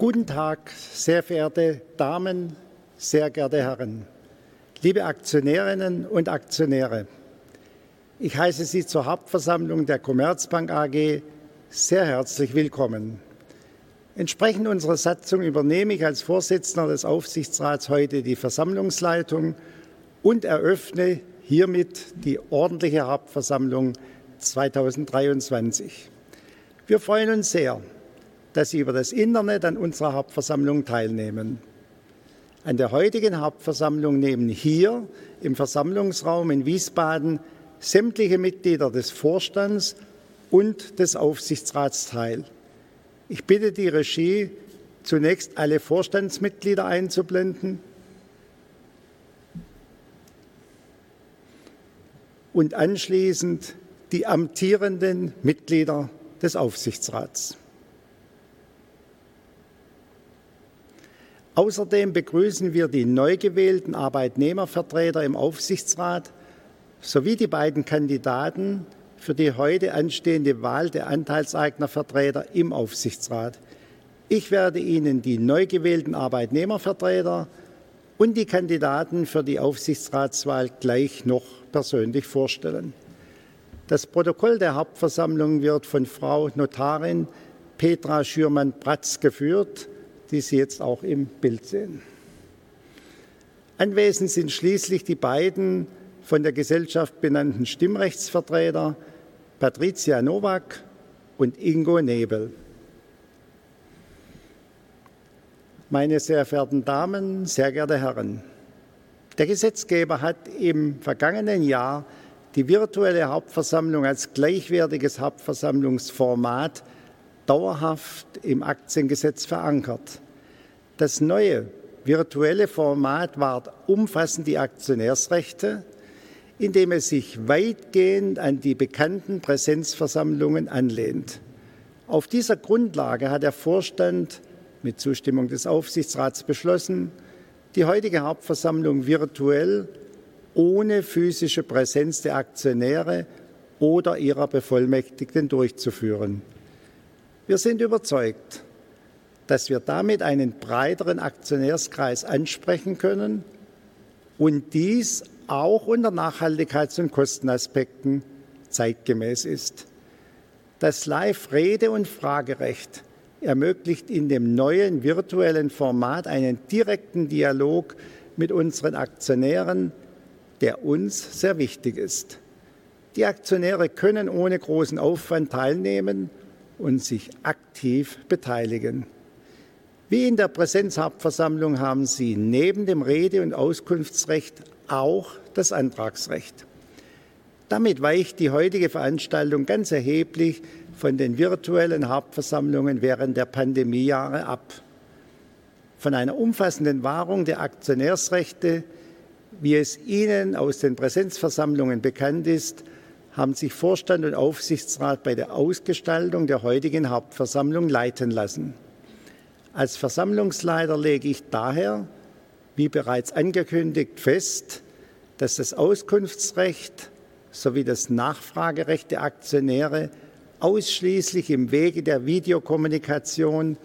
Guten Tag, sehr verehrte Damen, sehr geehrte Herren, liebe Aktionärinnen und Aktionäre! Ich heiße Sie zur Hauptversammlung der Commerzbank AG sehr herzlich willkommen. Entsprechend unserer Satzung übernehme ich als Vorsitzender des Aufsichtsrats heute die Versammlungsleitung und eröffne hiermit die ordentliche Hauptversammlung 2023. Wir freuen uns sehr, dass Sie über das Internet an unserer Hauptversammlung teilnehmen. An der heutigen Hauptversammlung nehmen hier im Versammlungsraum in Wiesbaden sämtliche Mitglieder des Vorstands und des Aufsichtsrats teil. Ich bitte die Regie, zunächst alle Vorstandsmitglieder einzublenden und anschließend die amtierenden Mitglieder des Aufsichtsrats. Außerdem begrüßen wir die neu gewählten Arbeitnehmervertreter im Aufsichtsrat, sowie die beiden Kandidaten für die heute anstehende Wahl der Anteilseignervertreter im Aufsichtsrat. Ich werde Ihnen die neu gewählten Arbeitnehmervertreter und die Kandidaten für die Aufsichtsratswahl gleich noch persönlich vorstellen. Das Protokoll der Hauptversammlung wird von Frau Notarin Petra Schürmann-Bratz geführt, die Sie jetzt auch im Bild sehen. Anwesend sind schließlich die beiden von der Gesellschaft benannten Stimmrechtsvertreter Patricia Nowak und Ingo Nebel. Meine sehr verehrten Damen, sehr geehrte Herren, der Gesetzgeber hat im vergangenen Jahr die virtuelle Hauptversammlung als gleichwertiges Hauptversammlungsformat dauerhaft im Aktiengesetz verankert. Das neue virtuelle Format wahrt umfassend die Aktionärsrechte, indem es sich weitgehend an die bekannten Präsenzversammlungen anlehnt. Auf dieser Grundlage hat der Vorstand mit Zustimmung des Aufsichtsrats beschlossen, die heutige Hauptversammlung virtuell ohne physische Präsenz der Aktionäre oder ihrer Bevollmächtigten durchzuführen. Wir sind überzeugt, dass wir damit einen breiteren Aktionärskreis ansprechen können und dies auch unter Nachhaltigkeits- und Kostenaspekten zeitgemäß ist. Das Live-Rede- und Fragerecht ermöglicht in dem neuen virtuellen Format einen direkten Dialog mit unseren Aktionären, der uns sehr wichtig ist. Die Aktionäre können ohne großen Aufwand teilnehmen und sich aktiv beteiligen. Wie in der Präsenzhauptversammlung haben Sie neben dem Rede- und Auskunftsrecht auch das Antragsrecht. Damit weicht die heutige Veranstaltung ganz erheblich von den virtuellen Hauptversammlungen während der Pandemiejahre ab. Von einer umfassenden Wahrung der Aktionärsrechte, wie es Ihnen aus den Präsenzversammlungen bekannt ist, haben sich Vorstand und Aufsichtsrat bei der Ausgestaltung der heutigen Hauptversammlung leiten lassen. Als Versammlungsleiter lege ich daher, wie bereits angekündigt, fest, dass das Auskunftsrecht sowie das Nachfragerecht der Aktionäre ausschließlich im Wege der Videokommunikation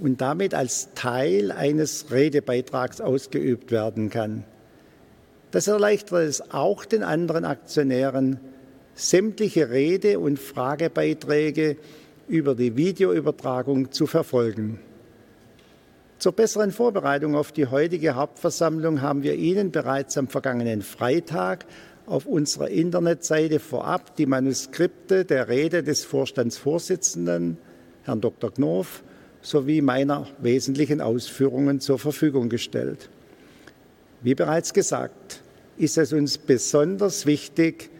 und damit als Teil eines Redebeitrags ausgeübt werden kann. Das erleichtert es auch den anderen Aktionären, sämtliche Rede- und Fragebeiträge über die Videoübertragung zu verfolgen. Zur besseren Vorbereitung auf die heutige Hauptversammlung haben wir Ihnen bereits am vergangenen Freitag auf unserer Internetseite vorab die Manuskripte der Rede des Vorstandsvorsitzenden, Herrn Dr. Knof, sowie meiner wesentlichen Ausführungen zur Verfügung gestellt. Wie bereits gesagt, ist es uns besonders wichtig,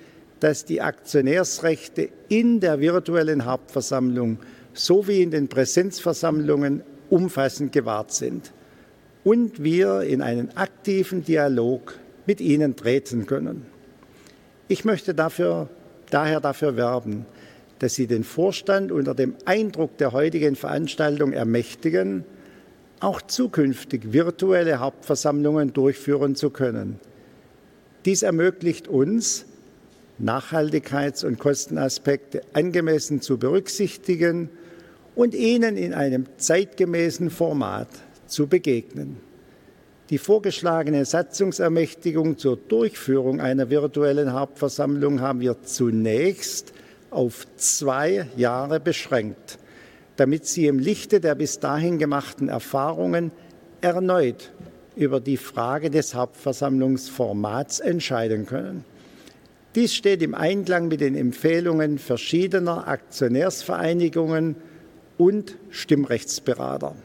dass die Aktionärsrechte in der virtuellen Hauptversammlung, so wie in den Präsenzversammlungen, umfassend gewahrt sind und wir in einen aktiven Dialog mit Ihnen treten können. Ich möchte daher dafür werben, dass Sie den Vorstand unter dem Eindruck der heutigen Veranstaltung ermächtigen, auch zukünftig virtuelle Hauptversammlungen durchführen zu können. Dies ermöglicht uns, Nachhaltigkeits- und Kostenaspekte angemessen zu berücksichtigen und Ihnen in einem zeitgemäßen Format zu begegnen. Die vorgeschlagene Satzungsermächtigung zur Durchführung einer virtuellen Hauptversammlung haben wir zunächst auf zwei Jahre beschränkt, damit Sie im Lichte der bis dahin gemachten Erfahrungen erneut über die Frage des Hauptversammlungsformats entscheiden können. Dies steht im Einklang mit den Empfehlungen verschiedener Aktionärsvereinigungen und Stimmrechtsberater.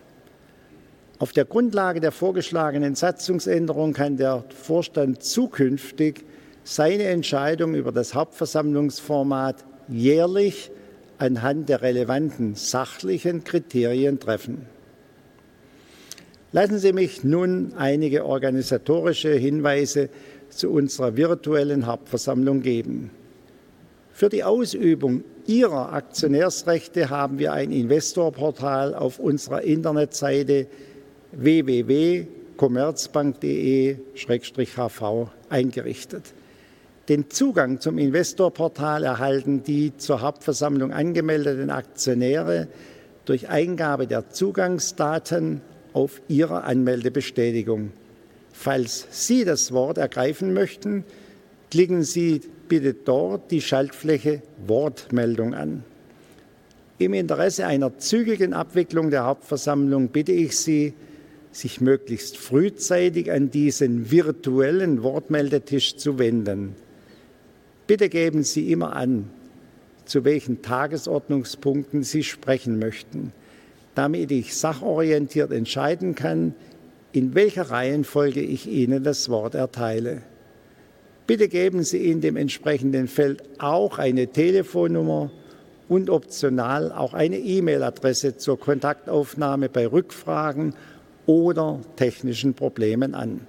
Auf der Grundlage der vorgeschlagenen Satzungsänderung kann der Vorstand zukünftig seine Entscheidung über das Hauptversammlungsformat jährlich anhand der relevanten sachlichen Kriterien treffen. Lassen Sie mich nun einige organisatorische Hinweise zu unserer virtuellen Hauptversammlung geben. Für die Ausübung Ihrer Aktionärsrechte haben wir ein Investorportal auf unserer Internetseite www.commerzbank.de/hv eingerichtet. Den Zugang zum Investorportal erhalten die zur Hauptversammlung angemeldeten Aktionäre durch Eingabe der Zugangsdaten auf ihrer Anmeldebestätigung. Falls Sie das Wort ergreifen möchten, klicken Sie bitte dort die Schaltfläche „Wortmeldung" an. Im Interesse einer zügigen Abwicklung der Hauptversammlung bitte ich Sie, sich möglichst frühzeitig an diesen virtuellen Wortmeldetisch zu wenden. Bitte geben Sie immer an, zu welchen Tagesordnungspunkten Sie sprechen möchten, damit ich sachorientiert entscheiden kann, in welcher Reihenfolge ich Ihnen das Wort erteile. Bitte geben Sie in dem entsprechenden Feld auch eine Telefonnummer und optional auch eine E-Mail-Adresse zur Kontaktaufnahme bei Rückfragen oder technischen Problemen an.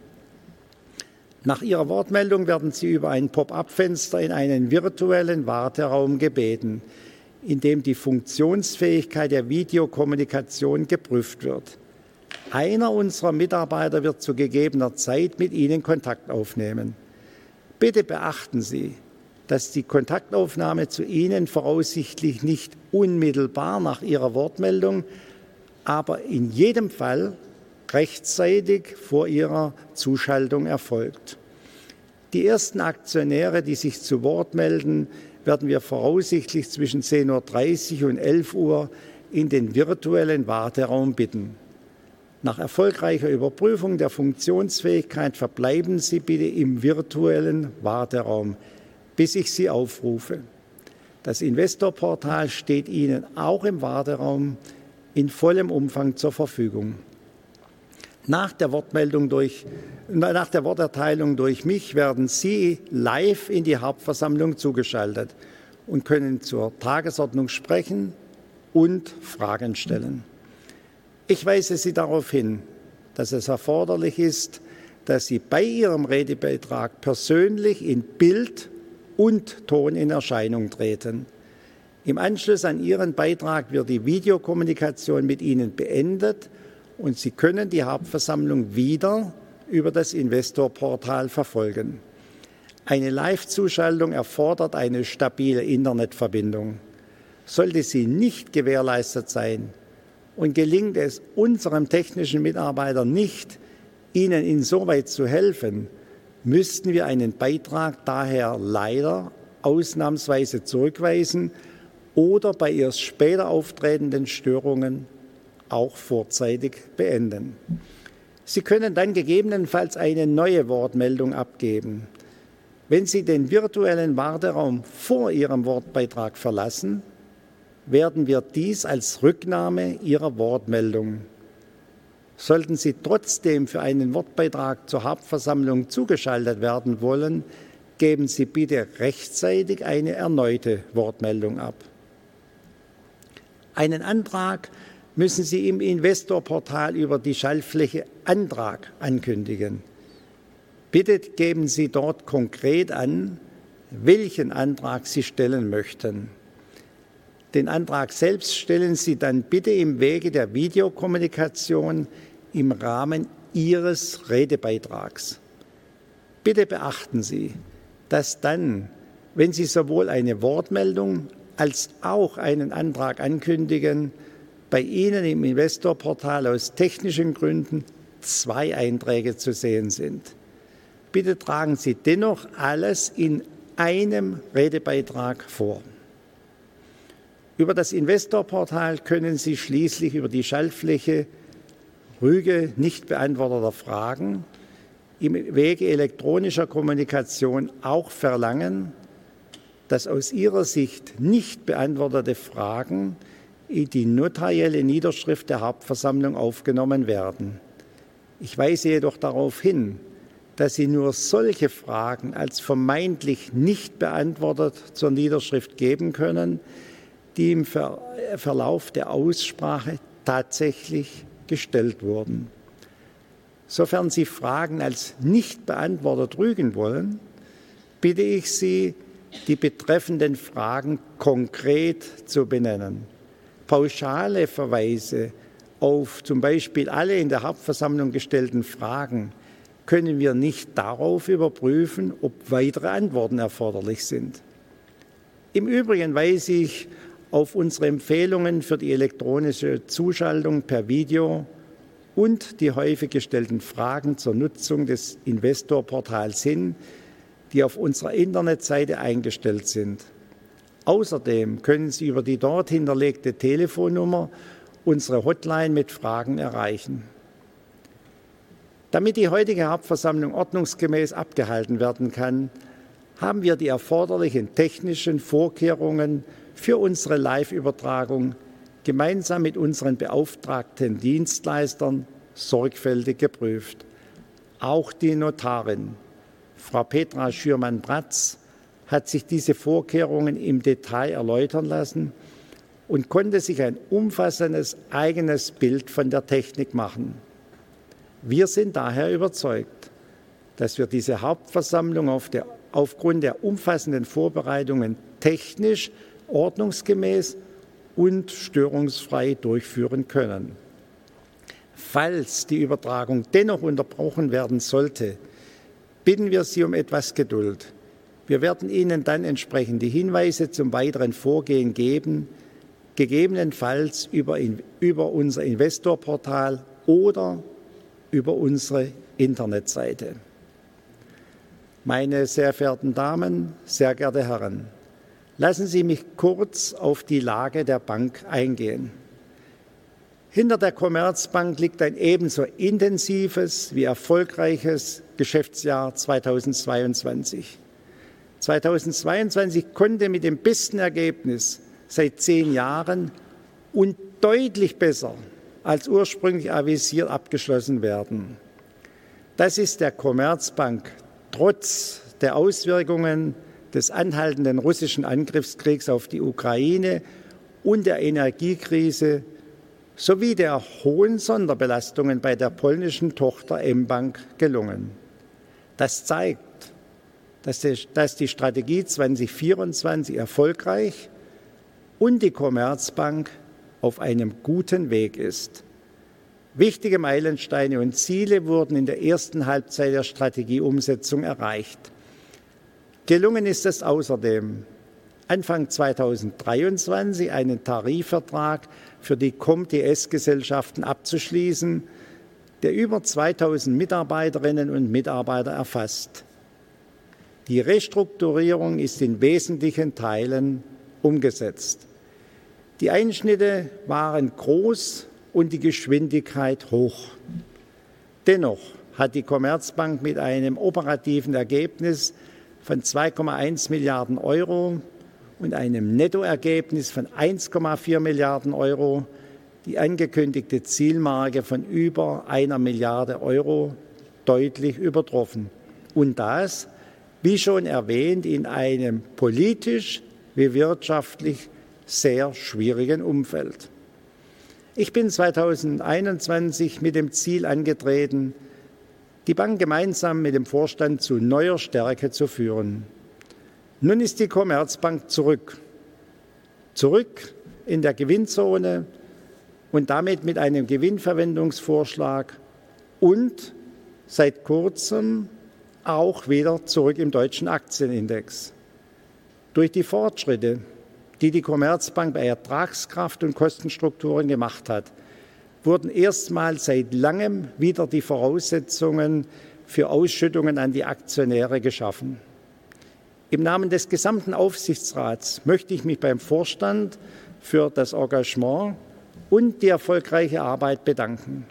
Nach Ihrer Wortmeldung werden Sie über ein Pop-up-Fenster in einen virtuellen Warteraum gebeten, in dem die Funktionsfähigkeit der Videokommunikation geprüft wird. Einer unserer Mitarbeiter wird zu gegebener Zeit mit Ihnen Kontakt aufnehmen. Bitte beachten Sie, dass die Kontaktaufnahme zu Ihnen voraussichtlich nicht unmittelbar nach Ihrer Wortmeldung, aber in jedem Fall rechtzeitig vor Ihrer Zuschaltung erfolgt. Die ersten Aktionäre, die sich zu Wort melden, werden wir voraussichtlich zwischen 10:30 Uhr und 11:00 Uhr in den virtuellen Warteraum bitten. Nach erfolgreicher Überprüfung der Funktionsfähigkeit verbleiben Sie bitte im virtuellen Warteraum, bis ich Sie aufrufe. Das Investorportal steht Ihnen auch im Warteraum in vollem Umfang zur Verfügung. Nach der Worterteilung durch mich, werden Sie live in die Hauptversammlung zugeschaltet und können zur Tagesordnung sprechen und Fragen stellen. Ich weise Sie darauf hin, dass es erforderlich ist, dass Sie bei Ihrem Redebeitrag persönlich in Bild und Ton in Erscheinung treten. Im Anschluss an Ihren Beitrag wird die Videokommunikation mit Ihnen beendet und Sie können die Hauptversammlung wieder über das Investorportal verfolgen. Eine Live-Zuschaltung erfordert eine stabile Internetverbindung. Sollte sie nicht gewährleistet sein und gelingt es unserem technischen Mitarbeiter nicht, Ihnen insoweit zu helfen, müssten wir einen Beitrag daher leider ausnahmsweise zurückweisen oder bei erst später auftretenden Störungen auch vorzeitig beenden. Sie können dann gegebenenfalls eine neue Wortmeldung abgeben. Wenn Sie den virtuellen Warteraum vor Ihrem Wortbeitrag verlassen, werden wir dies als Rücknahme Ihrer Wortmeldung. Sollten Sie trotzdem für einen Wortbeitrag zur Hauptversammlung zugeschaltet werden wollen, geben Sie bitte rechtzeitig eine erneute Wortmeldung ab. Einen Antrag müssen Sie im Investorportal über die Schaltfläche „Antrag" ankündigen. Bitte geben Sie dort konkret an, welchen Antrag Sie stellen möchten. Den Antrag selbst stellen Sie dann bitte im Wege der Videokommunikation im Rahmen Ihres Redebeitrags. Bitte beachten Sie, dass dann, wenn Sie sowohl eine Wortmeldung als auch einen Antrag ankündigen, bei Ihnen im Investorportal aus technischen Gründen zwei Einträge zu sehen sind. Bitte tragen Sie dennoch alles in einem Redebeitrag vor. Über das Investorportal können Sie schließlich über die Schaltfläche "Rüge nicht beantworteter Fragen" im Wege elektronischer Kommunikation auch verlangen, dass aus Ihrer Sicht nicht beantwortete Fragen in die notarielle Niederschrift der Hauptversammlung aufgenommen werden. Ich weise jedoch darauf hin, dass Sie nur solche Fragen als vermeintlich nicht beantwortet zur Niederschrift geben können, die im Verlauf der Aussprache tatsächlich gestellt wurden. Sofern Sie Fragen als nicht beantwortet rügen wollen, bitte ich Sie, die betreffenden Fragen konkret zu benennen. Pauschale Verweise auf zum Beispiel alle in der Hauptversammlung gestellten Fragen, können wir nicht darauf überprüfen, ob weitere Antworten erforderlich sind. Im Übrigen weise ich auf unsere Empfehlungen für die elektronische Zuschaltung per Video und die häufig gestellten Fragen zur Nutzung des Investorportal hin, die auf unserer Internetseite eingestellt sind. Außerdem können Sie über die dort hinterlegte Telefonnummer unsere Hotline mit Fragen erreichen. Damit die heutige Hauptversammlung ordnungsgemäß abgehalten werden kann, haben wir die erforderlichen technischen Vorkehrungen für unsere Live-Übertragung gemeinsam mit unseren beauftragten Dienstleistern sorgfältig geprüft. Auch die Notarin, Frau Petra Schürmann-Bratz, hat sich diese Vorkehrungen im Detail erläutern lassen und konnte sich ein umfassendes eigenes Bild von der Technik machen. Wir sind daher überzeugt, dass wir diese Hauptversammlung auf der, aufgrund der umfassenden Vorbereitungen technisch, ordnungsgemäß und störungsfrei durchführen können. Falls die Übertragung dennoch unterbrochen werden sollte, bitten wir Sie um etwas Geduld. Wir werden Ihnen dann entsprechende Hinweise zum weiteren Vorgehen geben, gegebenenfalls über unser Investorportal oder über unsere Internetseite. Meine sehr verehrten Damen, sehr geehrte Herren, lassen Sie mich kurz auf die Lage der Bank eingehen. Hinter der Commerzbank liegt ein ebenso intensives wie erfolgreiches Geschäftsjahr 2022. 2022 konnte mit dem besten Ergebnis seit 10 Jahren und deutlich besser als ursprünglich avisiert, abgeschlossen werden. Das ist der Commerzbank trotz der Auswirkungen des anhaltenden russischen Angriffskriegs auf die Ukraine und der Energiekrise sowie der hohen Sonderbelastungen bei der polnischen Tochter mBank gelungen. Das zeigt, dass die Strategie 2024 erfolgreich und die Commerzbank auf einem guten Weg ist. Wichtige Meilensteine und Ziele wurden in der ersten Halbzeit der Strategieumsetzung erreicht. Gelungen ist es außerdem, Anfang 2023 einen Tarifvertrag für die ComTS-Gesellschaften abzuschließen, der über 2,000 Mitarbeiterinnen und Mitarbeiter erfasst. Die Restrukturierung ist in wesentlichen Teilen umgesetzt. Die Einschnitte waren groß und die Geschwindigkeit hoch. Dennoch hat die Commerzbank mit einem operativen Ergebnis von 2.1 Milliarden euro und einem Nettoergebnis von 1.4 Milliarden euro die angekündigte Zielmarke von über 1 Milliarde euro deutlich übertroffen. Das, wie schon erwähnt, in einem politisch wie wirtschaftlich sehr schwierigen Umfeld. Ich bin 2021 mit dem Ziel angetreten, die Bank gemeinsam mit dem Vorstand zu neuer Stärke zu führen. Nun ist die Commerzbank zurück. Zurück in der Gewinnzone und damit mit einem Gewinnverwendungsvorschlag und seit Kurzem auch wieder zurück im Deutschen Aktienindex. Durch die Fortschritte, die die Commerzbank bei Ertragskraft und Kostenstrukturen gemacht hat, wurden erstmals seit Langem wieder die Voraussetzungen für Ausschüttungen an die Aktionäre geschaffen. Im Namen des gesamten Aufsichtsrats möchte ich mich beim Vorstand für das Engagement und die erfolgreiche Arbeit bedanken.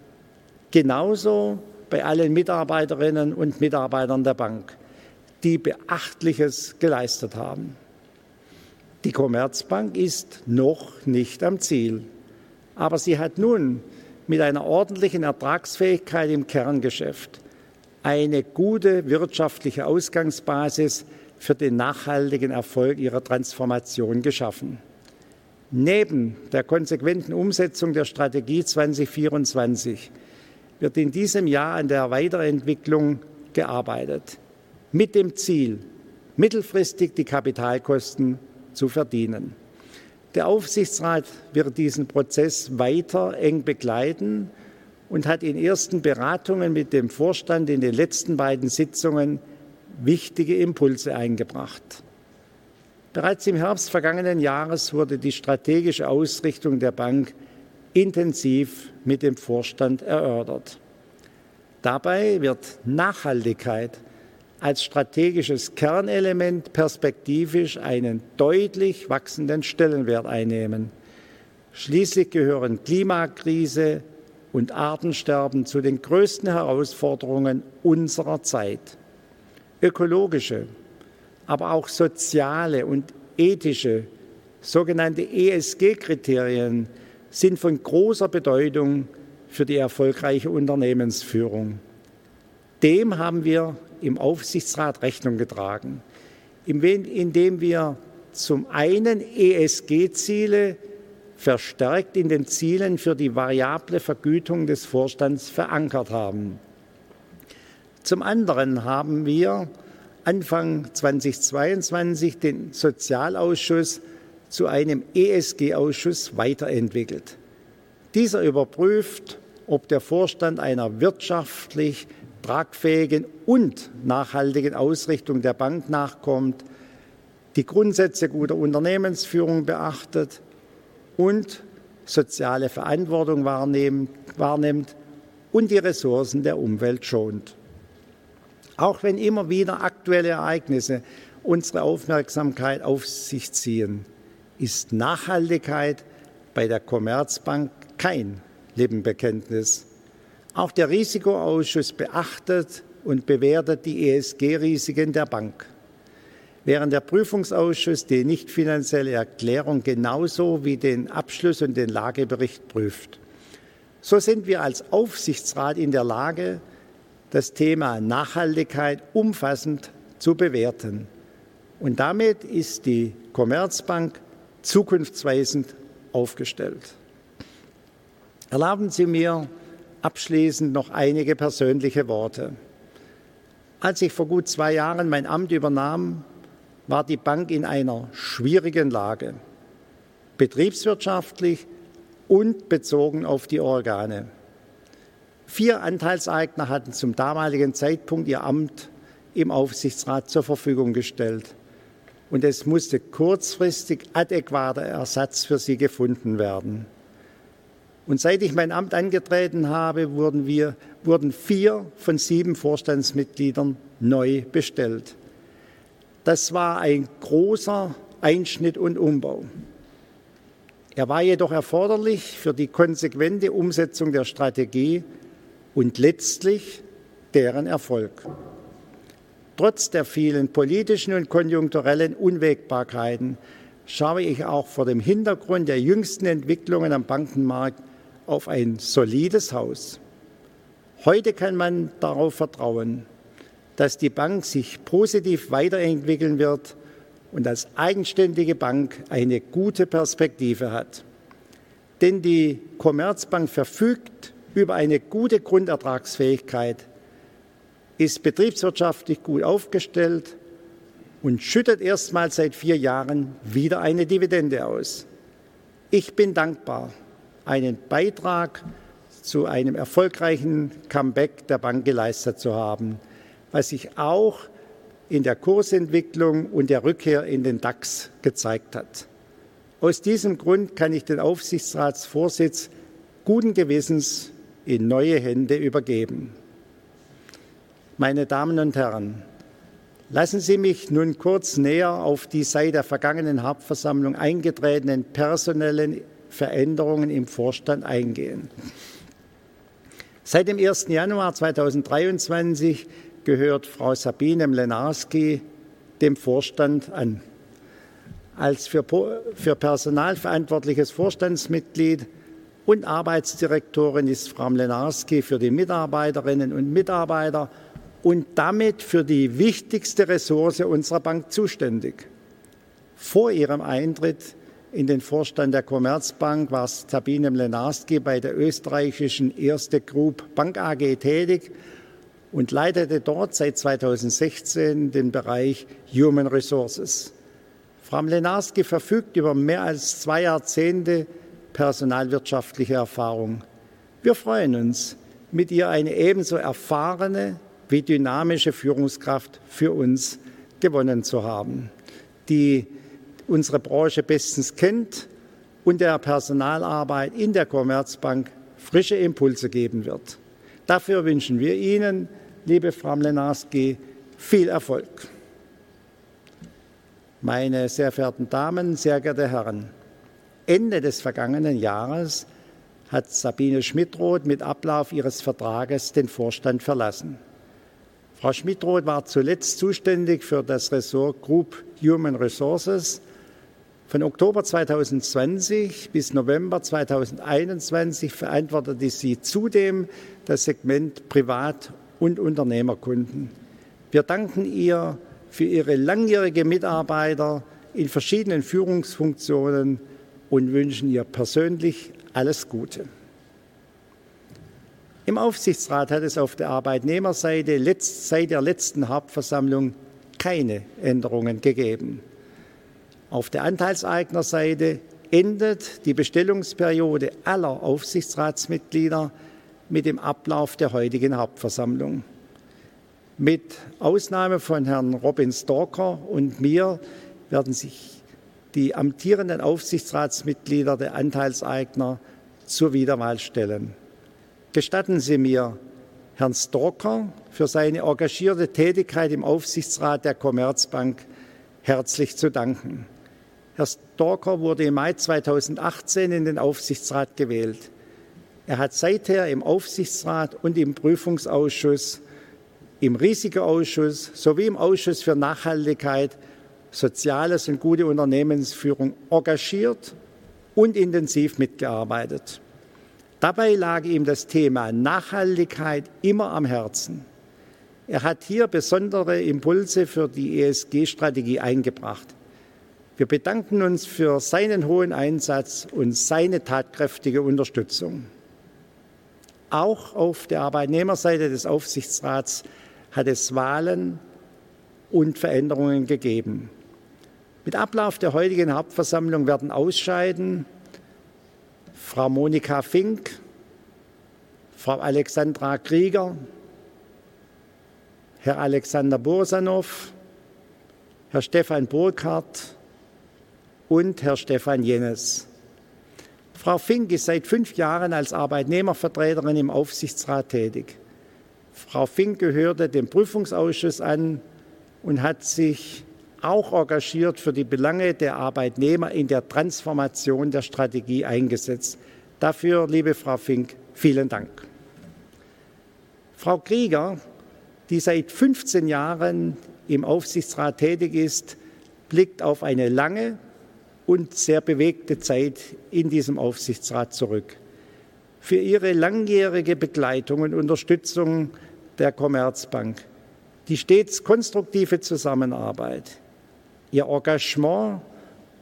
Genauso bei allen Mitarbeiterinnen und Mitarbeitern der Bank, die Beachtliches geleistet haben. Die Commerzbank ist noch nicht am Ziel, aber sie hat nun mit einer ordentlichen Ertragsfähigkeit im Kerngeschäft eine gute wirtschaftliche Ausgangsbasis für den nachhaltigen Erfolg ihrer Transformation geschaffen. Neben der konsequenten Umsetzung der Strategie 2024 wird in diesem Jahr an der Weiterentwicklung gearbeitet, mit dem Ziel, mittelfristig die Kapitalkosten zu verdienen. Der Aufsichtsrat wird diesen Prozess weiter eng begleiten und hat in ersten Beratungen mit dem Vorstand in den letzten beiden Sitzungen wichtige Impulse eingebracht. Bereits im Herbst vergangenen Jahres wurde die strategische Ausrichtung der Bank intensiv mit dem Vorstand erörtert. Dabei wird Nachhaltigkeit als strategisches Kernelement perspektivisch einen deutlich wachsenden Stellenwert einnehmen. Schließlich gehören Klimakrise und Artensterben zu den größten Herausforderungen unserer Zeit. Ökologische, aber auch soziale und ethische, sogenannte ESG-Kriterien sind von großer Bedeutung für die erfolgreiche Unternehmensführung. Dem haben wir im Aufsichtsrat Rechnung getragen, indem wir zum einen ESG-Ziele verstärkt in den Zielen für die variable Vergütung des Vorstands verankert haben. Zum anderen haben wir Anfang 2022 den Sozialausschuss zu einem ESG-Ausschuss weiterentwickelt. Dieser überprüft, ob der Vorstand einer wirtschaftlich tragfähigen und nachhaltigen Ausrichtung der Bank nachkommt, die Grundsätze guter Unternehmensführung beachtet und soziale Verantwortung wahrnimmt und die Ressourcen der Umwelt schont. Auch wenn immer wieder aktuelle Ereignisse unsere Aufmerksamkeit auf sich ziehen, ist Nachhaltigkeit bei der Commerzbank kein Lippenbekenntnis. Auch der Risikoausschuss beachtet und bewertet die ESG-Risiken der Bank, während der Prüfungsausschuss die nicht finanzielle Erklärung genauso wie den Abschluss und den Lagebericht prüft. Wir sind als Aufsichtsrat in der Lage, das Thema Nachhaltigkeit umfassend zu bewerten. Damit ist die Commerzbank zukunftsweisend aufgestellt. Erlauben Sie mir abschließend noch einige persönliche Worte.... Als ich vor gut 2 Jahren mein Amt übernahm, war die Bank in einer schwierigen Lage, betriebswirtschaftlich und bezogen auf die Organe. 4 Anteilseigner hatten zum damaligen Zeitpunkt ihr Amt im Aufsichtsrat zur Verfügung gestellt und es musste kurzfristig adäquater Ersatz für sie gefunden werden. Seit ich mein Amt angetreten habe, wurden 4 von 7 Vorstandsmitgliedern neu bestellt. Das war ein großer Einschnitt und Umbau. Er war jedoch erforderlich für die konsequente Umsetzung der Strategie und letztlich deren Erfolg. Trotz der vielen politischen und konjunkturellen Unwägbarkeiten schaue ich auch vor dem Hintergrund der jüngsten Entwicklungen am Bankenmarkt auf ein solides Haus. Heute kann man darauf vertrauen, dass die Bank sich positiv weiterentwickeln wird und als eigenständige Bank eine gute Perspektive hat. Die Commerzbank verfügt über eine gute Grundertragsfähigkeit, ist betriebswirtschaftlich gut aufgestellt und schüttet erstmals seit 4 Jahren wieder eine Dividende aus. Ich bin dankbar, einen Beitrag zu einem erfolgreichen Comeback der Bank geleistet zu haben, was sich auch in der Kursentwicklung und der Rückkehr in den DAX gezeigt hat. Aus diesem Grund kann ich den Aufsichtsratsvorsitz guten Gewissens in neue Hände übergeben. Meine Damen und Herren, lassen Sie mich nun kurz näher auf die seit der vergangenen Hauptversammlung eingetretenen personellen Veränderungen im Vorstand eingehen. Seit dem January 1, 2023 gehört Frau Sabine Mlnarsky dem Vorstand an. Als für personalverantwortliches Vorstandsmitglied und Arbeitsdirektorin ist Frau Mlnarsky für die Mitarbeiterinnen und Mitarbeiter und damit für die wichtigste Ressource unserer Bank zuständig. Vor ihrem Eintritt in den Vorstand der Commerzbank war Sabine Mlnarsky bei der österreichischen Erste Group Bank AG tätig und leitete dort seit 2016 den Bereich Human Resources. Frau Mlnarsky verfügt über mehr als 2 Jahrzehnte personalwirtschaftliche Erfahrung. Wir freuen uns, mit ihr eine ebenso erfahrene wie dynamische Führungskraft für uns gewonnen zu haben, die unsere Branche bestens kennt und der Personalarbeit in der Commerzbank frische Impulse geben wird. Dafür wünschen wir Ihnen, liebe Frau Mlnarsky, viel Erfolg! Meine sehr verehrten Damen, sehr geehrte Herren, Ende des vergangenen Jahres hat Sabine Schmittroth mit Ablauf ihres Vertrages den Vorstand verlassen. Frau Schmittroth war zuletzt zuständig für das Ressort Group Human Resources. Von Oktober 2020 bis November 2021 verantwortete sie zudem das Segment Privat- und Unternehmenskunden. Wir danken ihr für ihre langjährige Mitarbeiter in verschiedenen Führungsfunktionen und wünschen ihr persönlich alles Gute. Im Aufsichtsrat hat es auf der Arbeitnehmerseite seit der letzten Hauptversammlung keine Änderungen gegeben. Auf der Anteilseignerseite endet die Bestellungsperiode aller Aufsichtsratsmitglieder mit dem Ablauf der heutigen Hauptversammlung. Mit Ausnahme von Herrn Robin Stalker und mir werden sich die amtierenden Aufsichtsratsmitglieder der Anteilseigner zur Wiederwahl stellen. Gestatten Sie mir, Herrn Stalker für seine engagierte Tätigkeit im Aufsichtsrat der Commerzbank herzlich zu danken. Herr Stalker wurde im Mai 2018 in den Aufsichtsrat gewählt. Er hat seither im Aufsichtsrat und im Prüfungsausschuss, im Risikausschuss sowie im Ausschuss für Nachhaltigkeit, Soziales und gute Unternehmensführung engagiert und intensiv mitgearbeitet. Dabei lag ihm das Thema Nachhaltigkeit immer am Herzen. Er hat hier besondere Impulse für die ESG-Strategie eingebracht. Wir bedanken uns für seinen hohen Einsatz und seine tatkräftige Unterstützung. Auch auf der Arbeitnehmerseite des Aufsichtsrats hat es Wahlen und Veränderungen gegeben. Mit Ablauf der heutigen Hauptversammlung werden ausscheiden: Frau Monika Fink, Frau Alexandra Krieger, Herr Alexander Bossanov, Herr Stefan Burkhardt und Herr Stefan Jennes. Frau Fink ist seit fünf Jahren als Arbeitnehmervertreterin im Aufsichtsrat tätig. Frau Fink gehörte dem Prüfungsausschuss an und hat sich auch engagiert für die Belange der Arbeitnehmer in der Transformation der Strategie eingesetzt. Dafür, liebe Frau Fink, vielen Dank! Frau Krieger, die seit 15 Jahren im Aufsichtsrat tätig ist, blickt auf eine lange und sehr bewegte Zeit in diesem Aufsichtsrat zurück. Für Ihre langjährige Begleitung und Unterstützung der Commerzbank, die stets konstruktive Zusammenarbeit Ihr Engagement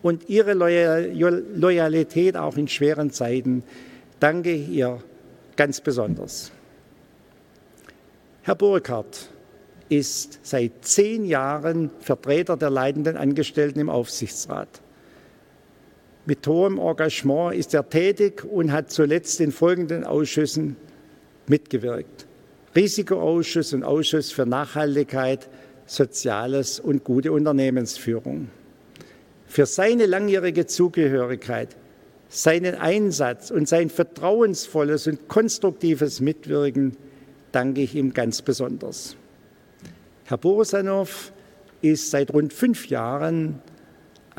und Ihre Loyalität auch in schweren Zeiten danke ich ihr ganz besonders. Herr Burkhardt ist seit 10 Jahren Vertreter der leitenden Angestellten im Aufsichtsrat. Mit hohem Engagement ist er tätig und hat zuletzt in folgenden Ausschüssen mitgewirkt: Risikoausschuss und Ausschuss für Nachhaltigkeit, Soziales und gute Unternehmensführung. Für seine langjährige Zugehörigkeit, seinen Einsatz und sein vertrauensvolles und konstruktives Mitwirken danke ich ihm ganz besonders. Herr Bossanov ist seit rund 5 Jahren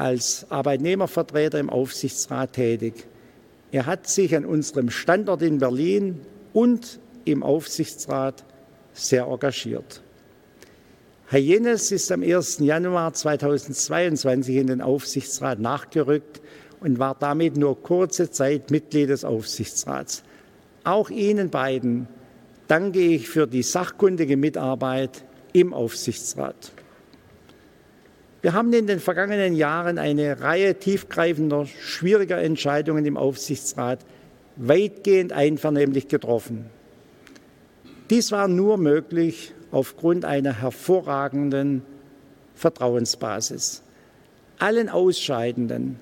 als Arbeitnehmervertreter im Aufsichtsrat tätig. Er hat sich an unserem Standort in Berlin und im Aufsichtsrat sehr engagiert. Herr Jennes ist am 1. Januar 2022 in den Aufsichtsrat nachgerückt und war damit nur kurze Zeit Mitglied des Aufsichtsrats. Auch Ihnen beiden danke ich für die sachkundige Mitarbeit im Aufsichtsrat. Wir haben in den vergangenen Jahren eine Reihe tiefgreifender, schwieriger Entscheidungen im Aufsichtsrat weitgehend einvernehmlich getroffen. Dies war nur möglich aufgrund einer hervorragenden Vertrauensbasis. Allen Ausscheidenden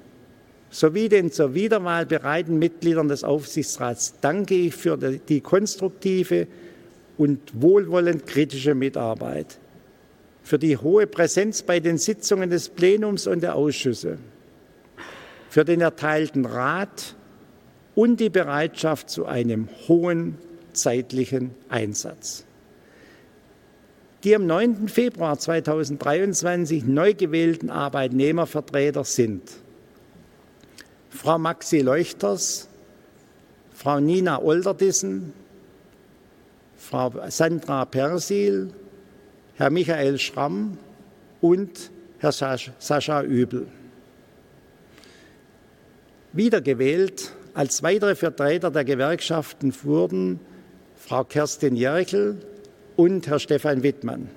sowie den zur Wiederwahl bereiten Mitgliedern des Aufsichtsrats danke ich für die konstruktive und wohlwollend kritische Mitarbeit, für die hohe Präsenz bei den Sitzungen des Plenums und der Ausschüsse, für den erteilten Rat und die Bereitschaft zu einem hohen zeitlichen Einsatz. Die am 9. Februar 2023 neu gewählten Arbeitnehmervertreter sind: Frau Maxi Leuchters, Frau Nina Olderdissen, Frau Sandra Persiehl, Herr Michael Schramm und Herr Sascha Uebel. Wieder gewählt als weitere Vertreter der Gewerkschaften wurden Frau Kerstin Jerchel und Herr Stefan Wittmann.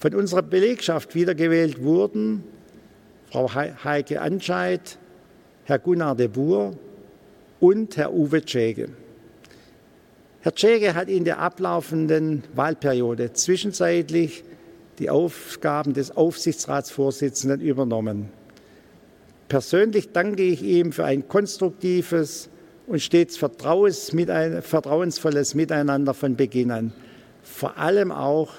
Von unserer Belegschaft wieder gewählt wurden Frau Heike Anscheit, Herr Gunnar de Buhr und Herr Uwe Tschäge. Herr Tschäge hat in der ablaufenden Wahlperiode zwischenzeitlich die Aufgaben des Aufsichtsratsvorsitzenden übernommen. Persönlich danke ich ihm für ein konstruktives und stets vertrauensvolles Miteinander von Beginn an, vor allem auch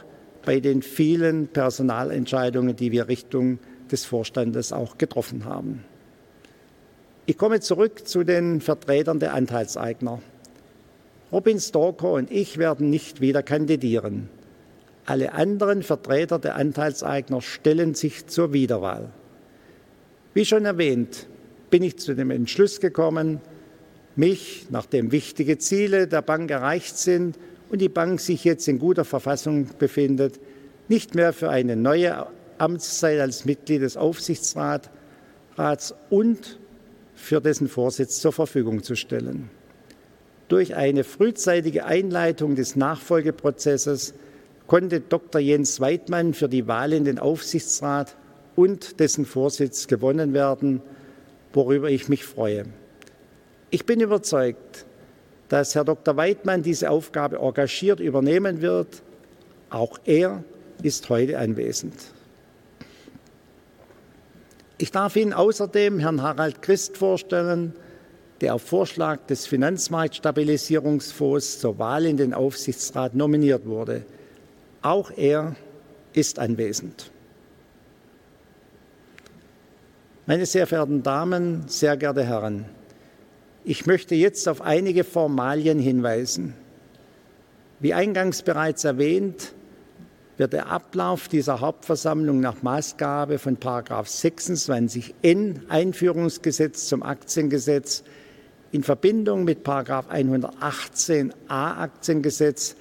bei den vielen Personalentscheidungen, die wir Richtung des Vorstandes auch getroffen haben. Ich komme zurück zu den Vertretern der Anteilseigner. Robin Stalker und ich werden nicht wieder kandidieren. Alle anderen Vertreter der Anteilseigner stellen sich zur Wiederwahl. Wie schon erwähnt, bin ich zu dem Entschluss gekommen, mich, nachdem wichtige Ziele der Bank erreicht sind und die Bank sich jetzt in guter Verfassung befindet, nicht mehr für eine neue Amtszeit als Mitglied des Aufsichtsrats und für dessen Vorsitz zur Verfügung zu stellen. Durch eine frühzeitige Einleitung des Nachfolgeprozesses konnte Dr. Jens Weidmann für die Wahl in den Aufsichtsrat und dessen Vorsitz gewonnen werden, worüber ich mich freue. Ich bin überzeugt, dass Herr Dr. Weidmann diese Aufgabe engagiert übernehmen wird. Auch er ist heute anwesend. Ich darf Ihnen außerdem Herrn Harald Christ vorstellen, der auf Vorschlag des Finanzmarktstabilisierungsfonds zur Wahl in den Aufsichtsrat nominiert wurde. Auch er ist anwesend. Meine sehr verehrten Damen, sehr geehrte Herren, ich möchte jetzt auf einige Formalien hinweisen. Wie eingangs bereits erwähnt, wird der Ablauf dieser Hauptversammlung nach Maßgabe von § 26n Einführungsgesetz zum Aktiengesetz in Verbindung mit § 118a Aktiengesetz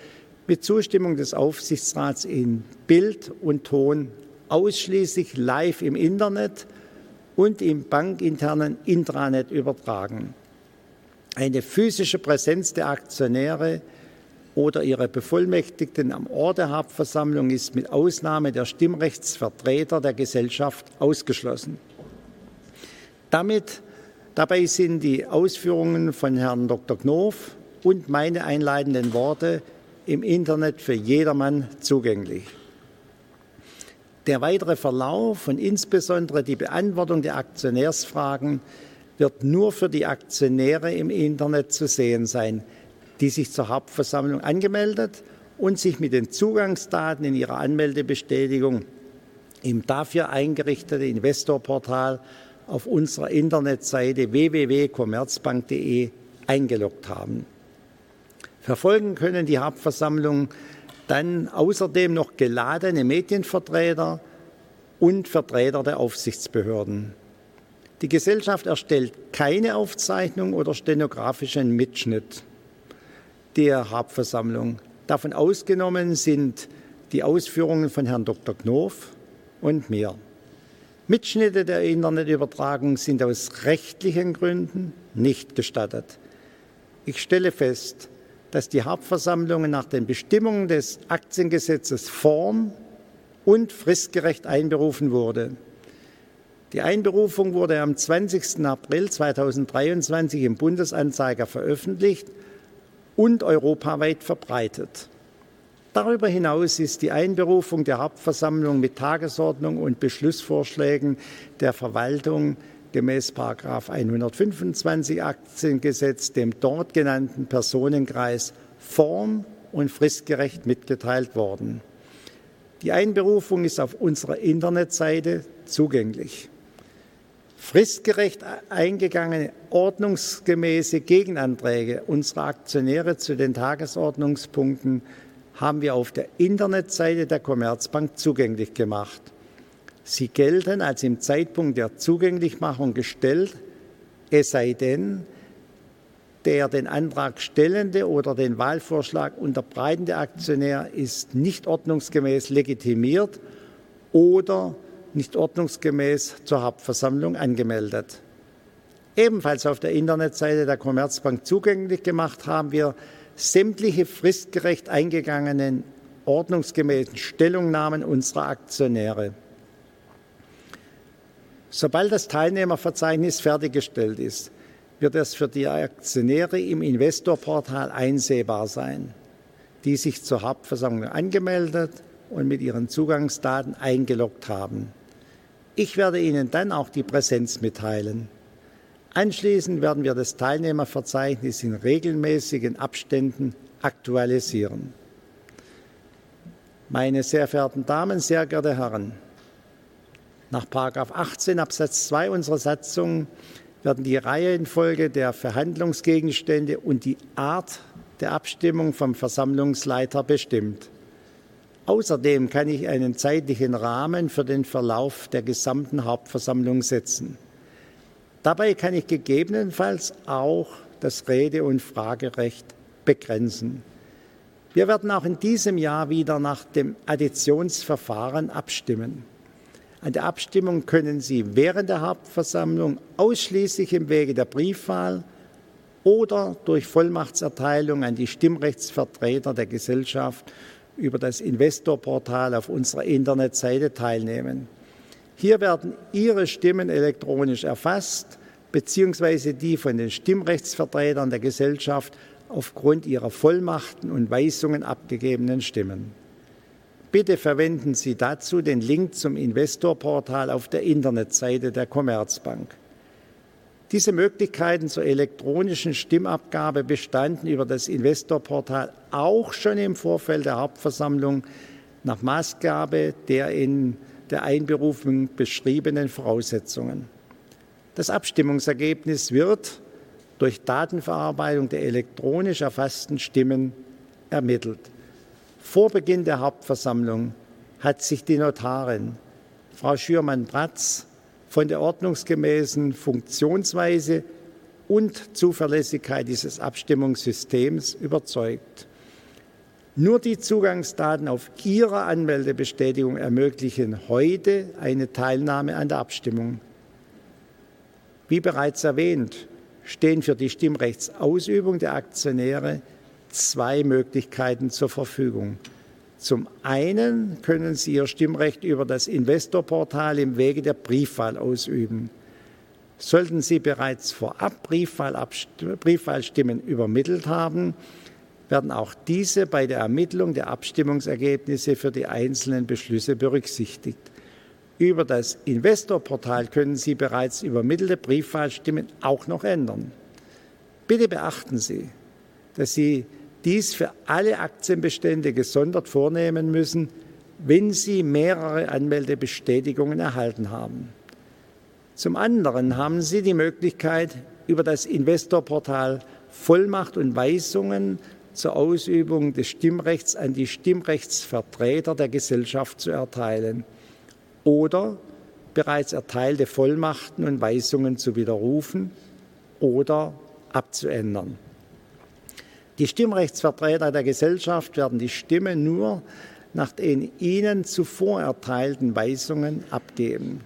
mit Zustimmung des Aufsichtsrats in Bild und Ton ausschließlich live im Internet und im bankinternen Intranet übertragen. Eine physische Präsenz der Aktionäre oder ihrer Bevollmächtigten am Ort der Hauptversammlung ist mit Ausnahme der Stimmrechtsvertreter der Gesellschaft ausgeschlossen. Damit, dabei sind die Ausführungen von Herrn Dr. Knof und meine einleitenden Worte im Internet für jedermann zugänglich. Der weitere Verlauf und insbesondere die Beantwortung der Aktionärsfragen wird nur für die Aktionäre im Internet zu sehen sein, die sich zur Hauptversammlung angemeldet und sich mit den Zugangsdaten in ihrer Anmeldebestätigung im dafür eingerichteten Investorportal auf unserer Internetseite www.commerzbank.de eingeloggt haben. Verfolgen können die Hauptversammlung dann außerdem noch geladene Medienvertreter und Vertreter der Aufsichtsbehörden. Die Gesellschaft erstellt keine Aufzeichnungen oder stenografischen Mitschnitt der Hauptversammlung. Davon ausgenommen sind die Ausführungen von Herrn Dr. Knof und mir. Mitschnitte der Internetübertragung sind aus rechtlichen Gründen nicht gestattet. Ich stelle fest, dass die Hauptversammlung nach den Bestimmungen des Aktiengesetzes form- und fristgerecht einberufen wurde. Die Einberufung wurde am 20. April 2023 im Bundesanzeiger veröffentlicht und europaweit verbreitet. Darüber hinaus ist die Einberufung der Hauptversammlung mit Tagesordnung und Beschlussvorschlägen der Verwaltung gemäß Paragraph 125 Aktiengesetz, dem dort genannten Personenkreis form- und fristgerecht mitgeteilt worden. Die Einberufung ist auf unserer Internetseite zugänglich. Fristgerecht eingegangene, ordnungsgemäße Gegenanträge unserer Aktionäre zu den Tagesordnungspunkten haben wir auf der Internetseite der Commerzbank zugänglich gemacht. Sie gelten als im Zeitpunkt der Zugänglichmachung gestellt, es sei denn, der den Antrag stellende oder den Wahlvorschlag unterbreitende Aktionär ist nicht ordnungsgemäß legitimiert oder nicht ordnungsgemäß zur Hauptversammlung angemeldet. Ebenfalls auf der Internetseite der Commerzbank zugänglich gemacht, haben wir sämtliche fristgerecht eingegangenen ordnungsgemäßen Stellungnahmen unserer Aktionäre. Sobald das Teilnehmerverzeichnis fertiggestellt ist, wird es für die Aktionäre im Investorportal einsehbar sein, die sich zur Hauptversammlung angemeldet und mit ihren Zugangsdaten eingeloggt haben. Ich werde Ihnen dann auch die Präsenz mitteilen. Anschließend werden wir das Teilnehmerverzeichnis in regelmäßigen Abständen aktualisieren. Meine sehr verehrten Damen, sehr geehrte Herren, nach Paragraph 18, Absatz 2 unserer Satzung werden die Reihenfolge der Verhandlungsgegenstände und die Art der Abstimmung vom Versammlungsleiter bestimmt. Außerdem kann ich einen zeitlichen Rahmen für den Verlauf der gesamten Hauptversammlung setzen. Dabei kann ich gegebenenfalls auch das Rede- und Fragerecht begrenzen. Wir werden auch in diesem Jahr wieder nach dem Additionsverfahren abstimmen. An der Abstimmung können Sie während der Hauptversammlung ausschließlich im Wege der Briefwahl oder durch Vollmachtserteilung an die Stimmrechtsvertreter der Gesellschaft über das Investorportal auf unserer Internetseite teilnehmen. Hier werden Ihre Stimmen elektronisch erfasst beziehungsweise die von den Stimmrechtsvertretern der Gesellschaft aufgrund ihrer Vollmachten und Weisungen abgegebenen Stimmen. Bitte verwenden Sie dazu den Link zum Investorportal auf der Internetseite der Commerzbank. Diese Möglichkeiten zur elektronischen Stimmabgabe bestanden über das Investorportal auch schon im Vorfeld der Hauptversammlung nach Maßgabe der in der Einberufung beschriebenen Voraussetzungen. Das Abstimmungsergebnis wird durch Datenverarbeitung der elektronisch erfassten Stimmen ermittelt. Vor Beginn der Hauptversammlung hat sich die Notarin, Frau Schürmann-Bratz, von der ordnungsgemäßen Funktionsweise und Zuverlässigkeit dieses Abstimmungssystems überzeugt. Nur die Zugangsdaten auf ihrer Anmeldebestätigung ermöglichen heute eine Teilnahme an der Abstimmung. Wie bereits erwähnt, stehen für die Stimmrechtsausübung der Aktionäre zwei Möglichkeiten zur Verfügung. Zum einen können Sie Ihr Stimmrecht über das Investorportal im Wege der Briefwahl ausüben. Sollten Sie bereits vorab Briefwahlstimmen übermittelt haben, werden auch diese bei der Ermittlung der Abstimmungsergebnisse für die einzelnen Beschlüsse berücksichtigt. Über das Investorportal können Sie bereits übermittelte Briefwahlstimmen auch noch ändern. Bitte beachten Sie, dass Sie dies für alle Aktienbestände gesondert vornehmen müssen, wenn Sie mehrere Anmeldebestätigungen erhalten haben. Zum anderen haben Sie die Möglichkeit, über das Investorportal Vollmacht und Weisungen zur Ausübung des Stimmrechts an die Stimmrechtsvertreter der Gesellschaft zu erteilen oder bereits erteilte Vollmachten und Weisungen zu widerrufen oder abzuändern. Die Stimmrechtsvertreter der Gesellschaft werden die Stimmen nur nach den Ihnen zuvor erteilten Weisungen abgeben.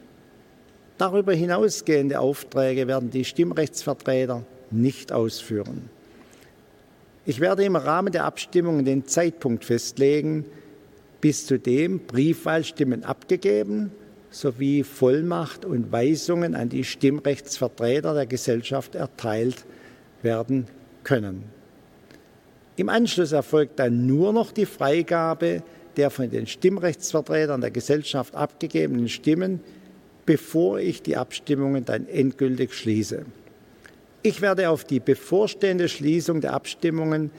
Darüber hinausgehende Aufträge werden die Stimmrechtsvertreter nicht ausführen. Ich werde im Rahmen der Abstimmung den Zeitpunkt festlegen, bis zu dem Briefwahlstimmen abgegeben sowie Vollmacht und Weisungen an die Stimmrechtsvertreter der Gesellschaft erteilt werden können. Im Anschluss erfolgt dann nur noch die Freigabe der von den Stimmrechtsvertretern der Gesellschaft abgegebenen Stimmen, bevor ich die Abstimmungen dann endgültig schließe. Ich werde auf die bevorstehende Schließung der Abstimmungen